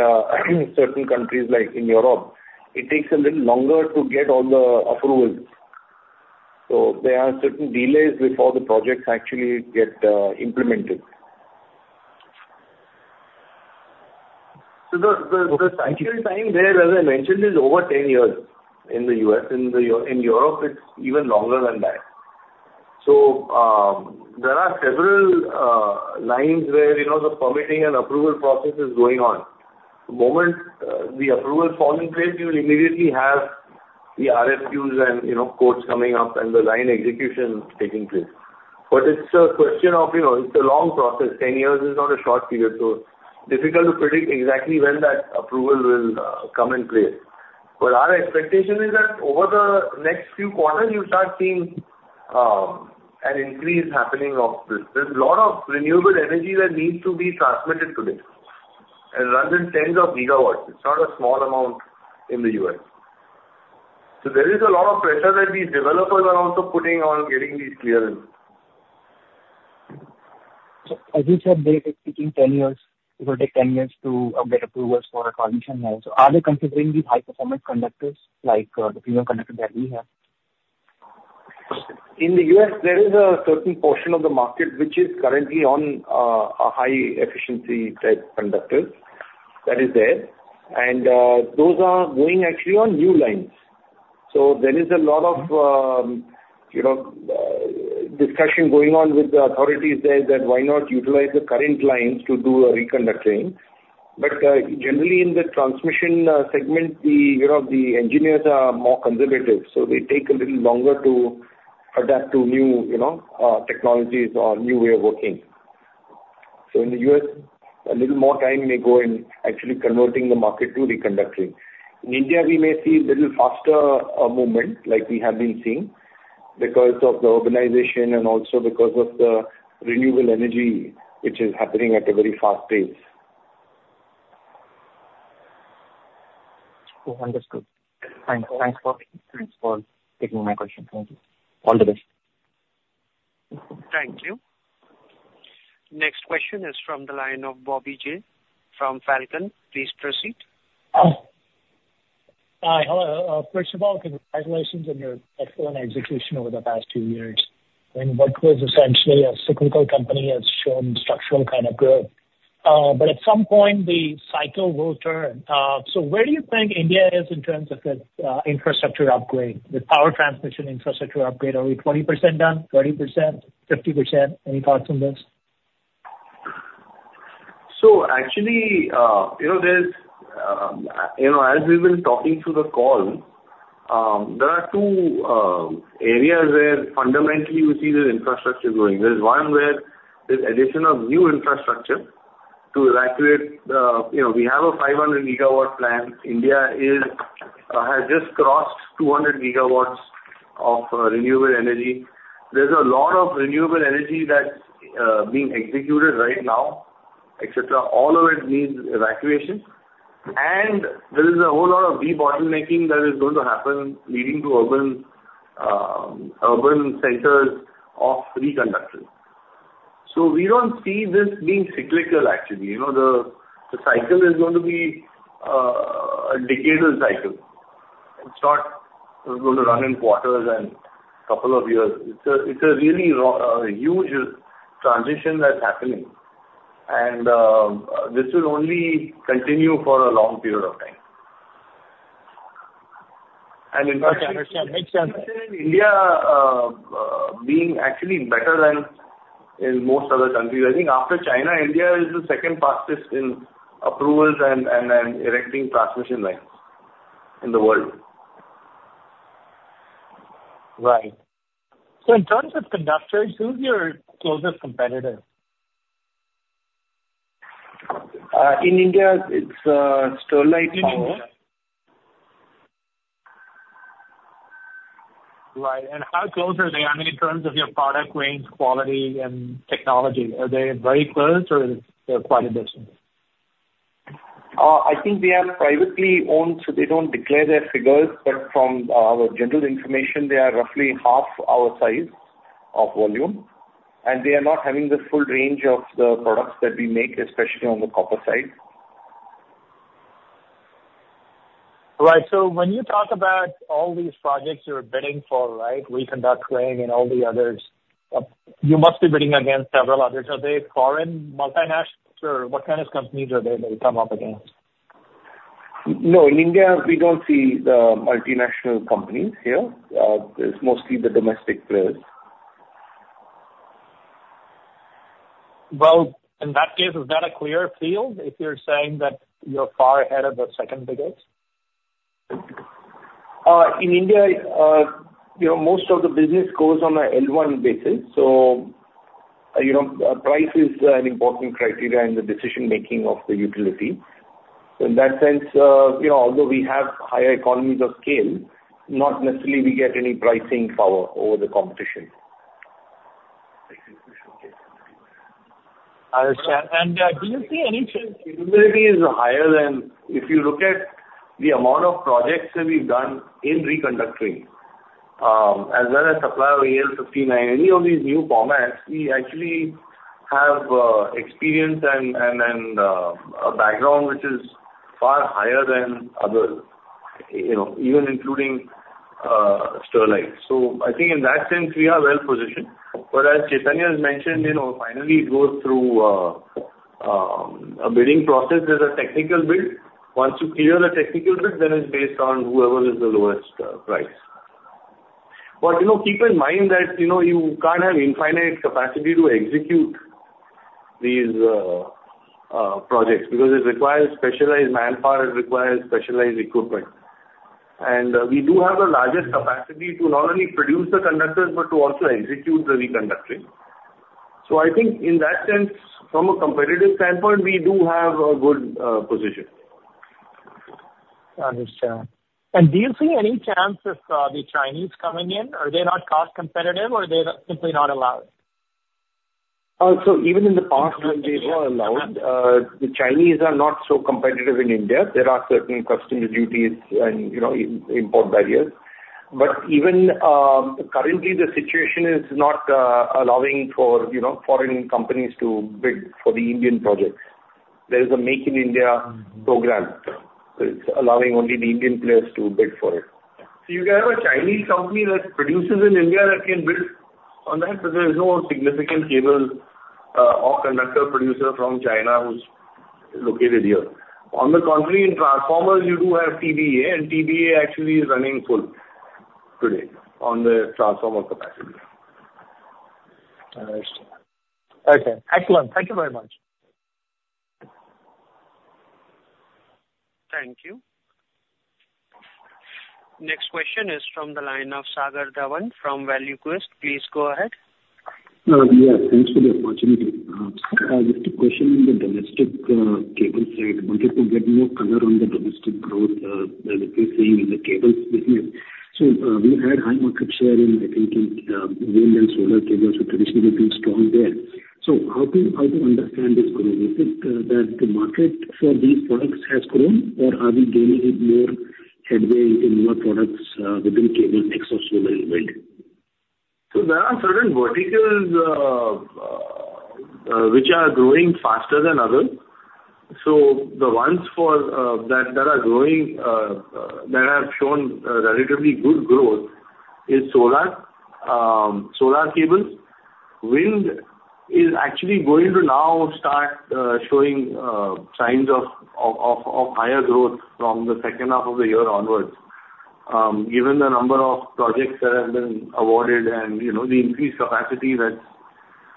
certain countries like in Europe, it takes a little longer to get all the approvals, so there are certain delays before the projects actually get implemented, so the cycle time there, as I mentioned, is over 10 years in the U.S. In Europe, it's even longer than that, so there are several lines where the permitting and approval process is going on. The moment the approval falls in place, you will immediately have the RFQs and quotes coming up and the line execution taking place. But it's a question of a long process. 10 years is not a short period. So, difficult to predict exactly when that approval will come in place. But our expectation is that over the next few quarters, you'll start seeing an increase happening of this. There's a lot of renewable energy that needs to be transmitted today and runs in tens of gigawatts. It's not a small amount in the U.S. So there is a lot of pressure that these developers are also putting on getting these clearances. As you said, they're expecting 10 years to take 10 years to get approvals for the transmission lines. Are they considering these high-performance conductors like the premium conductor that we have? In the U.S., there is a certain portion of the market which is currently on high-efficiency type conductors that is there, and those are going actually on new lines, so there is a lot of discussion going on with the authorities there that, why not utilize the current lines to do a reconductoring. But generally, in the transmission segment, the engineers are more conservative, so they take a little longer to adapt to new technologies or new way of working, so in the U.S., a little more time may go in actually converting the market to reconductoring. In India, we may see a little faster movement like we have been seeing because of the urbanization and also because of the renewable energy, which is happening at a very fast pace. Understood. Thanks for taking my question. Thank you. All the best. Thank you. Next question is from the line of Bobby Jayaraman from Falcon. Please proceed. Hi. Hello. First of all, congratulations on your excellent execution over the past two years. I mean, APAR is essentially a cyclical company that's shown structural kind of growth. But at some point, the cycle will turn. So where do you think India is in terms of its infrastructure upgrade, the power transmission infrastructure upgrade? Are we 20% done, 30%, 50%? Any thoughts on this? So actually, as we've been talking through the call, there are two areas where fundamentally we see the infrastructure going. There's one where there's additional new infrastructure to evacuate. We have a 500 GW plan. India has just crossed 200 GW of renewable energy. There's a lot of renewable energy that's being executed right now, etc. All of it needs evacuation. And there is a whole lot of redevelopment that is going to happen, leading to urban centers of reconductoring. So we don't see this being cyclical, actually. The cycle is going to be a decadal cycle. It's not going to run in quarters and a couple of years. It's a really huge transition that's happening. And this will only continue for a long period of time. And in fact. Okay. Understood. Makes sense. India being actually better than in most other countries. I think after China, India is the second fastest in approvals and erecting transmission lines in the world. Right. So in terms of conductors, who's your closest competitor? In India, it's Sterlite Power. Right. And how close are they? I mean, in terms of your product range, quality, and technology, are they very close or is it quite a distance? I think they are privately owned, so they don't declare their figures. But from our general information, they are roughly half our size of volume. And they are not having the full range of the products that we make, especially on the copper side. Right. So when you talk about all these projects you're bidding for, right, reconductoring and all the others, you must be bidding against several others. Are they foreign multinationals? Or what kind of companies are they that you come up against? No. In India, we don't see the multinational companies here. It's mostly the domestic players. Well, in that case, is that a clear field if you're saying that you're far ahead of the second biggest? In India, most of the business goes on an L1 basis. So price is an important criteria in the decision-making of the utility. So in that sense, although we have higher economies of scale, not necessarily we get any pricing power over the competition. Understood. And do you see any change? Utility is higher than if you look at the amount of projects that we've done in reconductoring, as well as supply of AL59, any of these new formats. We actually have experience and a background which is far higher than others, even including Sterlite. So I think in that sense, we are well positioned. But as Chaitanya has mentioned, finally, it goes through a bidding process. There's a technical bid. Once you clear the technical bid, then it's based on whoever is the lowest price. But keep in mind that you can't have infinite capacity to execute these projects because it requires specialized manpower. It requires specialized equipment. We do have the largest capacity to not only produce the conductors but to also execute the reconductoring. So I think in that sense, from a competitive standpoint, we do have a good position. Understood. And do you see any chance of the Chinese coming in? Are they not cost competitive or are they simply not allowed? So even in the past, when they were allowed, the Chinese are not so competitive in India. There are certain customs duties and import barriers. But even currently, the situation is not allowing for foreign companies to bid for the Indian projects. There is a Make in India program. It's allowing only the Indian players to bid for it. So you can have a Chinese company that produces in India that can bid on that, but there is no significant cable or conductor producer from China who's located here. On the contrary, in transformers, you do have TBEA, and TBEA actually is running full today on the transformer capacity. Understood. Okay. Excellent. Thank you very much. Thank you. Next question is from the line of Sagar Dhawan from ValueQuest. Please go ahead. Yeah. Thanks for the opportunity. Just a question on the domestic cable side. Wanted to get more color on the domestic growth that you're seeing in the cables business. So we had high market share in, I think, wind and solar cables, which traditionally have been strong there. So how to understand this growth? Is it that the market for these products has grown, or are we gaining more headway into newer products within cable except solar and wind? So there are certain verticals which are growing faster than others. So the ones that are showing relatively good growth are solar cables. Wind is actually going to now start showing signs of higher growth from the second half of the year onwards, given the number of projects that have been awarded and the increased capacity that's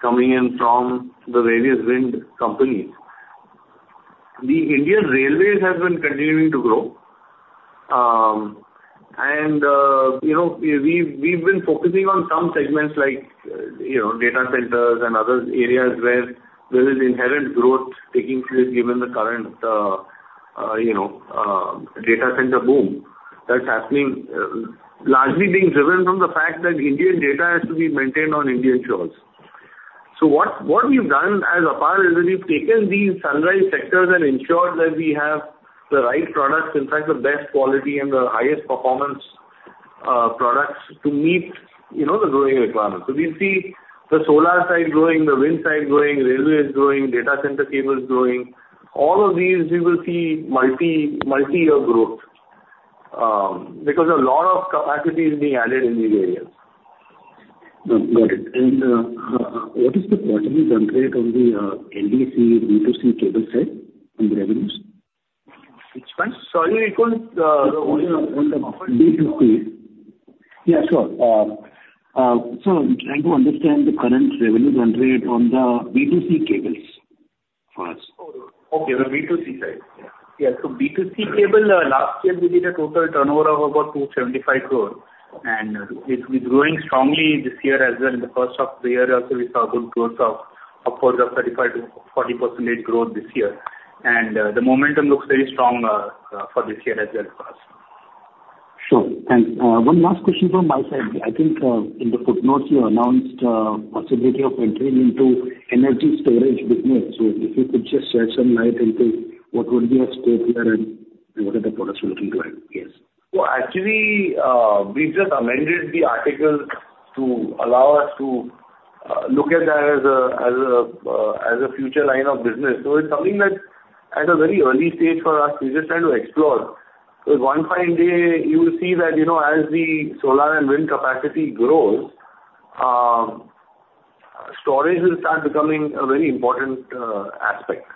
coming in from the various wind companies. The Indian Railways have been continuing to grow. And we've been focusing on some segments like data centers and other areas where there is inherent growth taking place given the current data center boom that's happening, largely being driven from the fact that Indian data has to be maintained on Indian shores. So what we've done as APAR is that we've taken these sunrise sectors and ensured that we have the right products, in fact, the best quality and the highest performance products to meet the growing requirements. So we see the solar side growing, the wind side growing, railways growing, data center cables growing. All of these, we will see multi-year growth because a lot of capacity is being added in these areas. Got it. And what is the quarterly burn rate on the LDC, B2C cable side on the revenues? Sorry, you could. On the B2C. Yeah, sure. So I'm trying to understand the current revenue burn rate on the B2C cables for us. Okay. The B2C side. Yeah. So B2C cable, last year, we did a total turnover of about 275 crore. And it's been growing strongly this year as well. In the first half of the year also, we saw a good growth of upwards of 35%-40% growth this year. And the momentum looks very strong for this year as well for us. Sure. Thanks. One last question from my side. I think in the footnotes, you announced the possibility of entering into energy storage business. So if you could just shed some light into what would be a stake here and what are the products you're looking to add? Yes. Well, actually, we just amended the article to allow us to look at that as a future line of business. So it's something that, at a very early stage for us, we're just trying to explore. Because one fine day, you will see that as the solar and wind capacity grows, storage will start becoming a very important aspect.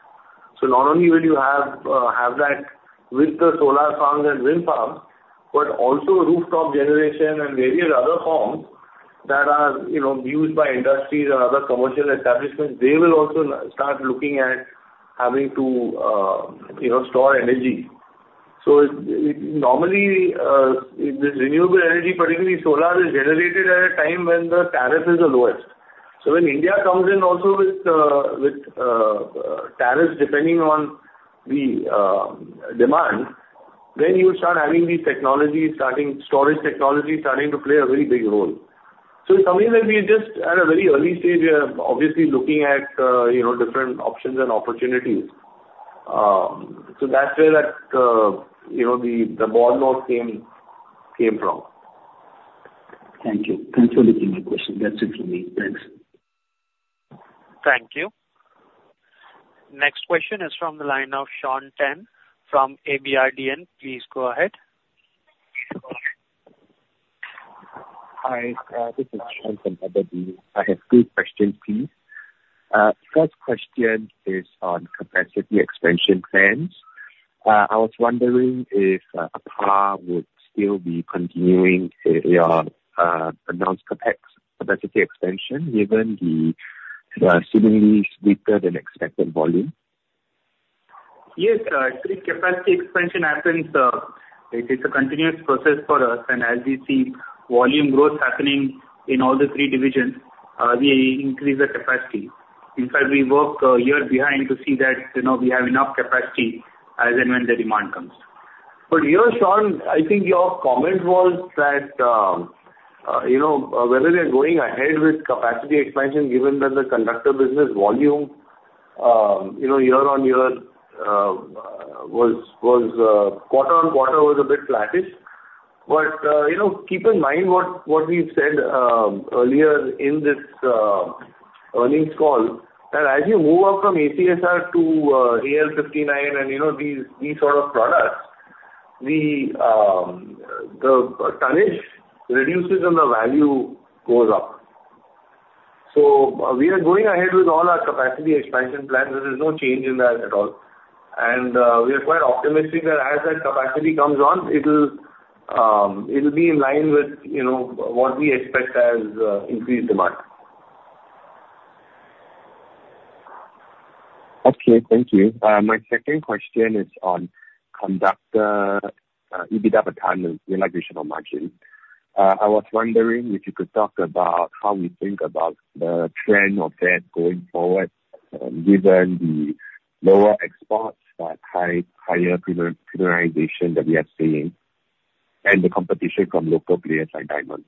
So not only will you have that with the solar farms and wind farms, but also rooftop generation and various other forms that are used by industries or other commercial establishments, they will also start looking at having to store energy. So normally, this renewable energy, particularly solar, is generated at a time when the tariff is the lowest. So when India comes in also with tariffs depending on the demand, then you start having these technologies, storage technologies starting to play a very big role. So it's something that we just, at a very early stage, we are obviously looking at different options and opportunities. So that's where the ball now came from. Thank you. Thanks for taking my question. That's it for me. Thanks. Thank you. Next question is from the line of Shaun Tan from abrdn. Please go ahead. Hi. This is Shaun from abrdn. I have two questions, please. First question is on capacity expansion plans. I was wondering if APAR would still be continuing your announced capacity expansion given the seemingly weaker than expected volume? Yes. Capacity expansion happens. It is a continuous process for us. And as we see volume growth happening in all the three divisions, we increase the capacity. In fact, we work a year behind to see that we have enough capacity as and when the demand comes. But here, Shaun, I think your comment was that whether they're going ahead with capacity expansion given that the conductor business volume quarter-on-quarter was a bit flattish. But keep in mind what we've said earlier in this earnings call that as you move up from ACSR to AL59 and these sort of products, the tonnage reduces and the value goes up. So we are going ahead with all our capacity expansion plans. There is no change in that at all. And we are quite optimistic that as that capacity comes on, it will be in line with what we expect as increased demand. Okay. Thank you. My second question is on conductor EBITDA per ton and realization margin. I was wondering if you could talk about how we think about the trend of that going forward given the lower exports but higher premium prioritization that we are seeing and the competition from local players like Diamond.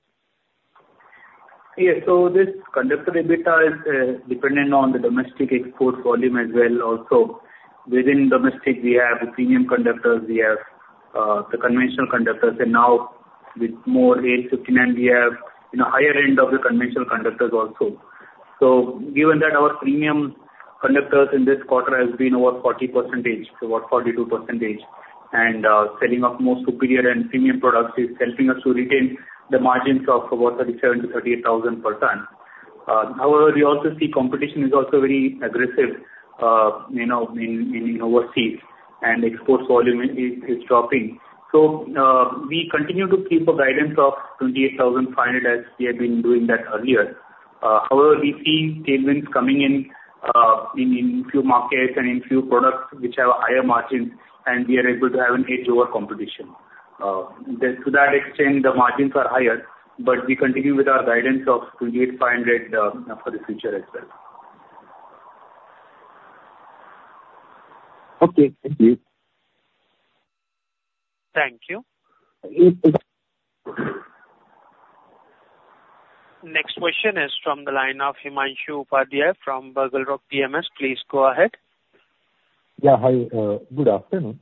Yeah. So this conductor EBITDA is dependent on the domestic export volume as well. Also, within domestic, we have premium conductors. We have the conventional conductors. And now, with more AL59, we have a higher end of the conventional conductors also. So given that our premium conductors in this quarter have been over 40%, about 42%, and selling off more superior and premium products is helping us to retain the margins of about 37,000-38,000 per ton. However, we also see competition is also very aggressive in overseas, and export volume is dropping. So we continue to keep a guidance of 28,500 as we have been doing that earlier. However, we see tailwinds coming in a few markets and in a few products which have higher margins, and we are able to have an edge over competition. To that extent, the margins are higher, but we continue with our guidance of 28,500 for the future as well. Okay. Thank you. Thank you. Next question is from the line of Himanshu Upadhyay from BugleRock PMS. Please go ahead. Yeah. Hi. Good afternoon.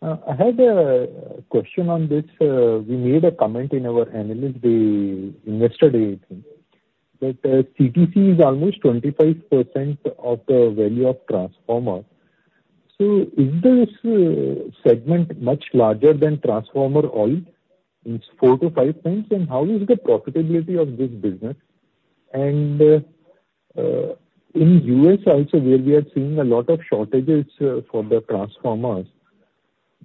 I had a question on this. We made a comment in our analysis we investigated that CTC is almost 25% of the value of transformer. So is this segment much larger than transformer oil? It's 4x-5x. And how is the profitability of this business? And in the U.S. also, where we are seeing a lot of shortages for the transformers,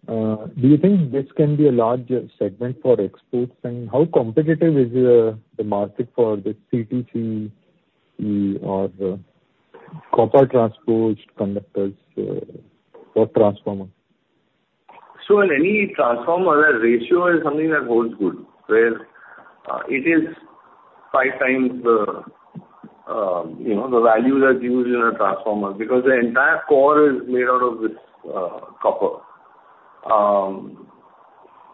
do you think this can be a larger segment for exports? How competitive is the market for the CTC or continuously transposed conductors or transformer? In any transformer, the ratio is something that holds good, where it is five times the value that's used in a transformer because the entire core is made out of this copper.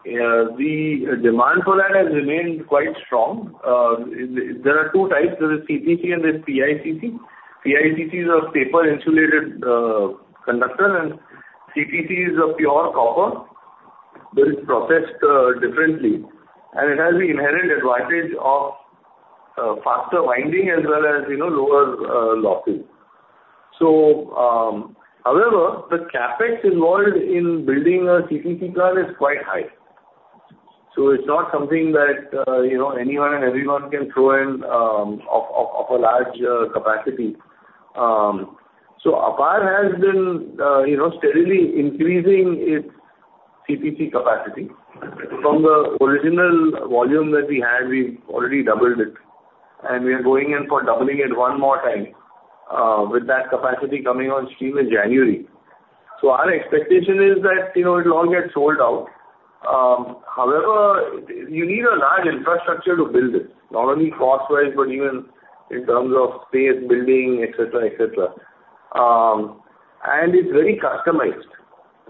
The demand for that has remained quite strong. There are two types. There is CTC and there is PICC. PICC is a paper-insulated conductor, and CTC is a pure copper. They're processed differently. It has the inherent advantage of faster winding as well as lower losses. However, the CapEx involved in building a CTC plant is quite high. It's not something that anyone and everyone can throw in of a large capacity. APAR has been steadily increasing its CTC capacity. From the original volume that we had, we've already doubled it. We are going in for doubling it one more time with that capacity coming on stream in January. So our expectation is that it'll all get sold out. However, you need a large infrastructure to build it, not only cost-wise but even in terms of space, building, etc. And it's very customized.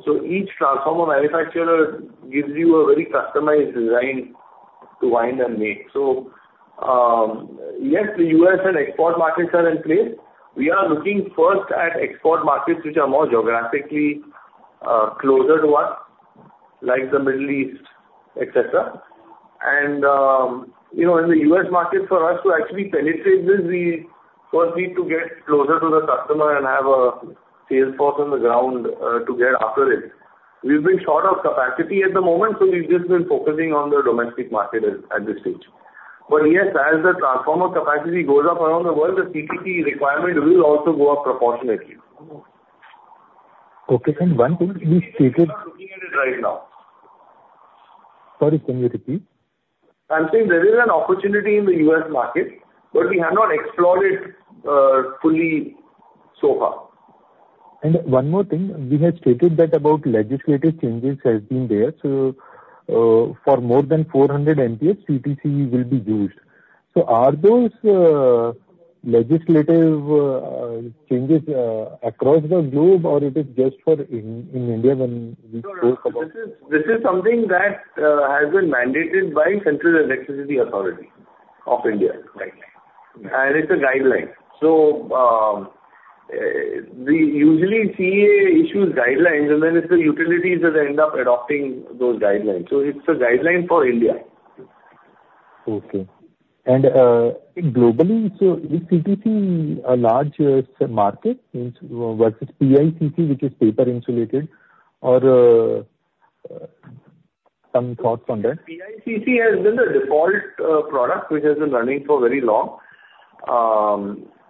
So each transformer manufacturer gives you a very customized design to wind and make. So, yes, the U.S. and export markets are in place. We are looking first at export markets which are more geographically closer to us, like the Middle East, etc. And in the U.S. market, for us to actually penetrate this, we first need to get closer to the customer and have a sales force on the ground to get after it. We've been short of capacity at the moment, so we've just been focusing on the domestic market at this stage. But yes, as the transformer capacity goes up around the world, the CTC requirement will also go up proportionately. Okay. And one thing you stated. We are not looking at it right now. Sorry, can you repeat? I'm saying there is an opportunity in the U.S. market, but we have not explored it fully so far. And one more thing. We had stated that about legislative changes have been there. So for more than 400 MVA, CTC will be used. So are those legislative changes across the globe, or is it just for in India when we talk about? This is something that has been mandated by Central Electricity Authority of India right now. And it's a guideline. So we usually see CEA issues guidelines, and then it's the utilities that end up adopting those guidelines. So it's a guideline for India. Okay. And globally, so is CTC a large market? Was it PICC, which is paper-insulated, or some thoughts on that? PICC has been the default product, which has been running for very long.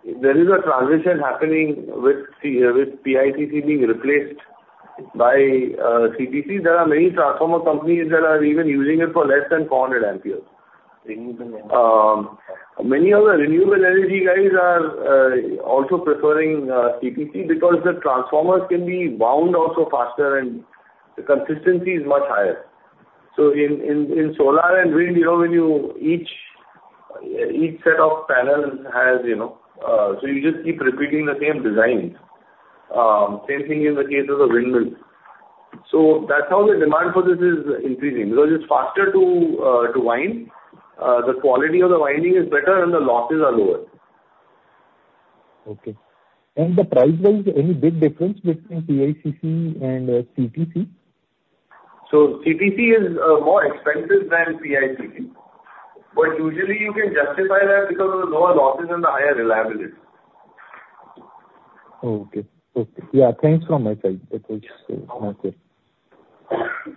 There is a transition happening with PICC being replaced by CTC. There are many transformer companies that are even using it for less than 400 amperes. Many of the renewable energy guys are also preferring CTC because the transformers can be wound also faster, and the consistency is much higher. So in solar and wind, when each set of panels has so you just keep repeating the same designs. Same thing in the case of the windmills. So that's how the demand for this is increasing because it's faster to wind. The quality of the winding is better, and the losses are lower. Okay. And the price-wise, any big difference between PICC and CTC? So CTC is more expensive than PICC. But usually, you can justify that because of the lower losses and the higher reliability. Okay. Okay. Yeah. Thanks so much. It was helpful.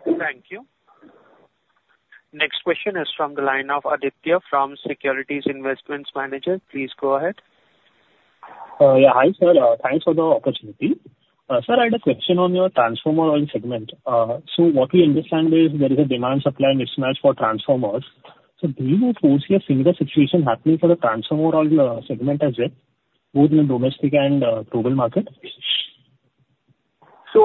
Thank you. Next question is from the line of Aditya from Securities Investment Management. Please go ahead. Yeah. Hi, sir. Thanks for the opportunity. Sir, I had a question on your transformer oil segment. So what we understand is there is a demand-supply mismatch for transformers. So do you foresee a similar situation happening for the transformer oil segment as well, both in the domestic and global market? So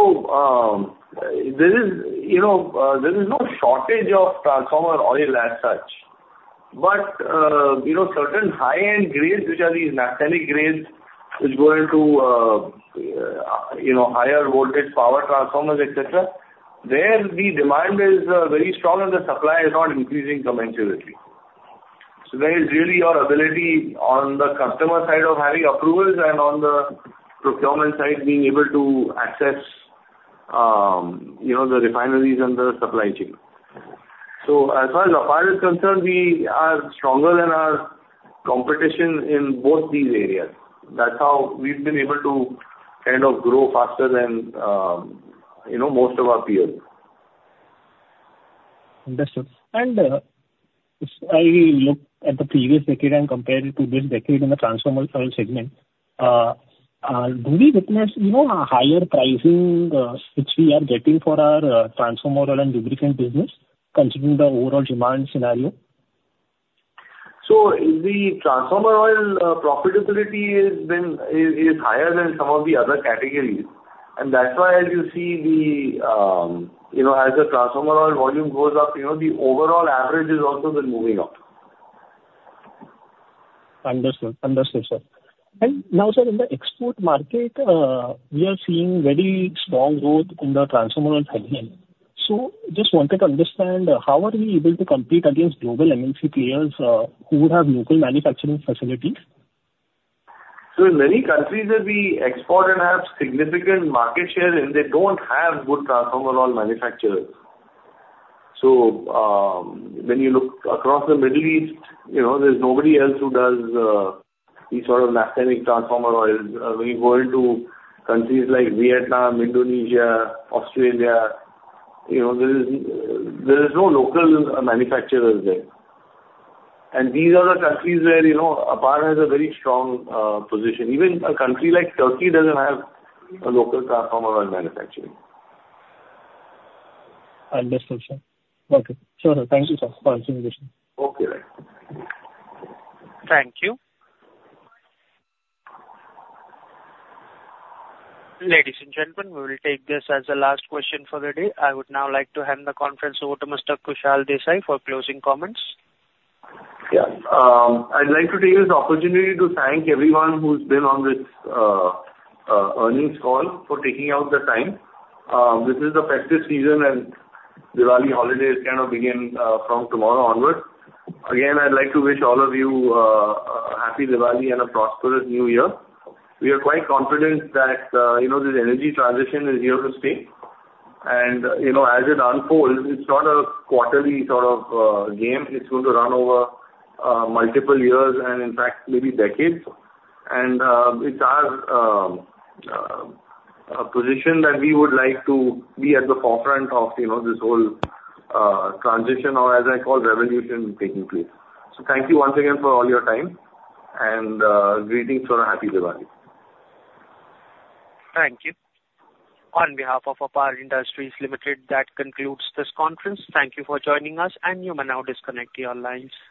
there is no shortage of transformer oil as such. But certain high-end grades, which are these naphthenic grades, which go into higher voltage power transformers, etc., where the demand is very strong and the supply is not increasing commensurately. So there is really your ability on the customer side of having approvals and on the procurement side being able to access the refineries and the supply chain. So as far as APAR is concerned, we are stronger than our competition in both these areas. That's how we've been able to kind of grow faster than most of our peers. Understood. And if I look at the previous decade and compare it to this decade in the transformer oil segment, do we witness a higher pricing which we are getting for our transformer oil and lubricant business considering the overall demand scenario? So the transformer oil profitability is higher than some of the other categories. And that's why, as you see, as the transformer oil volume goes up, the overall average is also then moving up. Understood. Understood, sir. Now, sir, in the export market, we are seeing very strong growth in the transformer oil segment. So just wanted to understand how are we able to compete against global MNC players who have local manufacturing facilities? So in many countries that we export and have significant market share, they don't have good transformer oil manufacturers. So when you look across the Middle East, there's nobody else who does these sort of naphthenic transformer oils. When you go into countries like Vietnam, Indonesia, Australia, there is no local manufacturers there. And these are the countries where APAR has a very strong position. Even a country like Turkey doesn't have a local transformer oil manufacturer. Understood, sir. Okay. Sure. Thank you, sir, for the information. Okay. Thank you. Ladies and gentlemen, we will take this as the last question for the day. I would now like to hand the conference over to Mr. Kushal Desai for closing comments. Yeah. I'd like to take this opportunity to thank everyone who's been on this earnings call for taking out the time. This is the festive season, and Diwali holiday is going to begin from tomorrow onward. Again, I'd like to wish all of you a happy Diwali and a prosperous New Year. We are quite confident that this energy transition is here to stay, and as it unfolds, it's not a quarterly sort of game. It's going to run over multiple years and, in fact, maybe decades, and it's our position that we would like to be at the forefront of this whole transition or, as I call, revolution taking place, so thank you once again for all your time, and greetings for a happy Diwali. Thank you. On behalf of APAR Industries Limited, that concludes this conference. Thank you for joining us, and you may now disconnect your lines.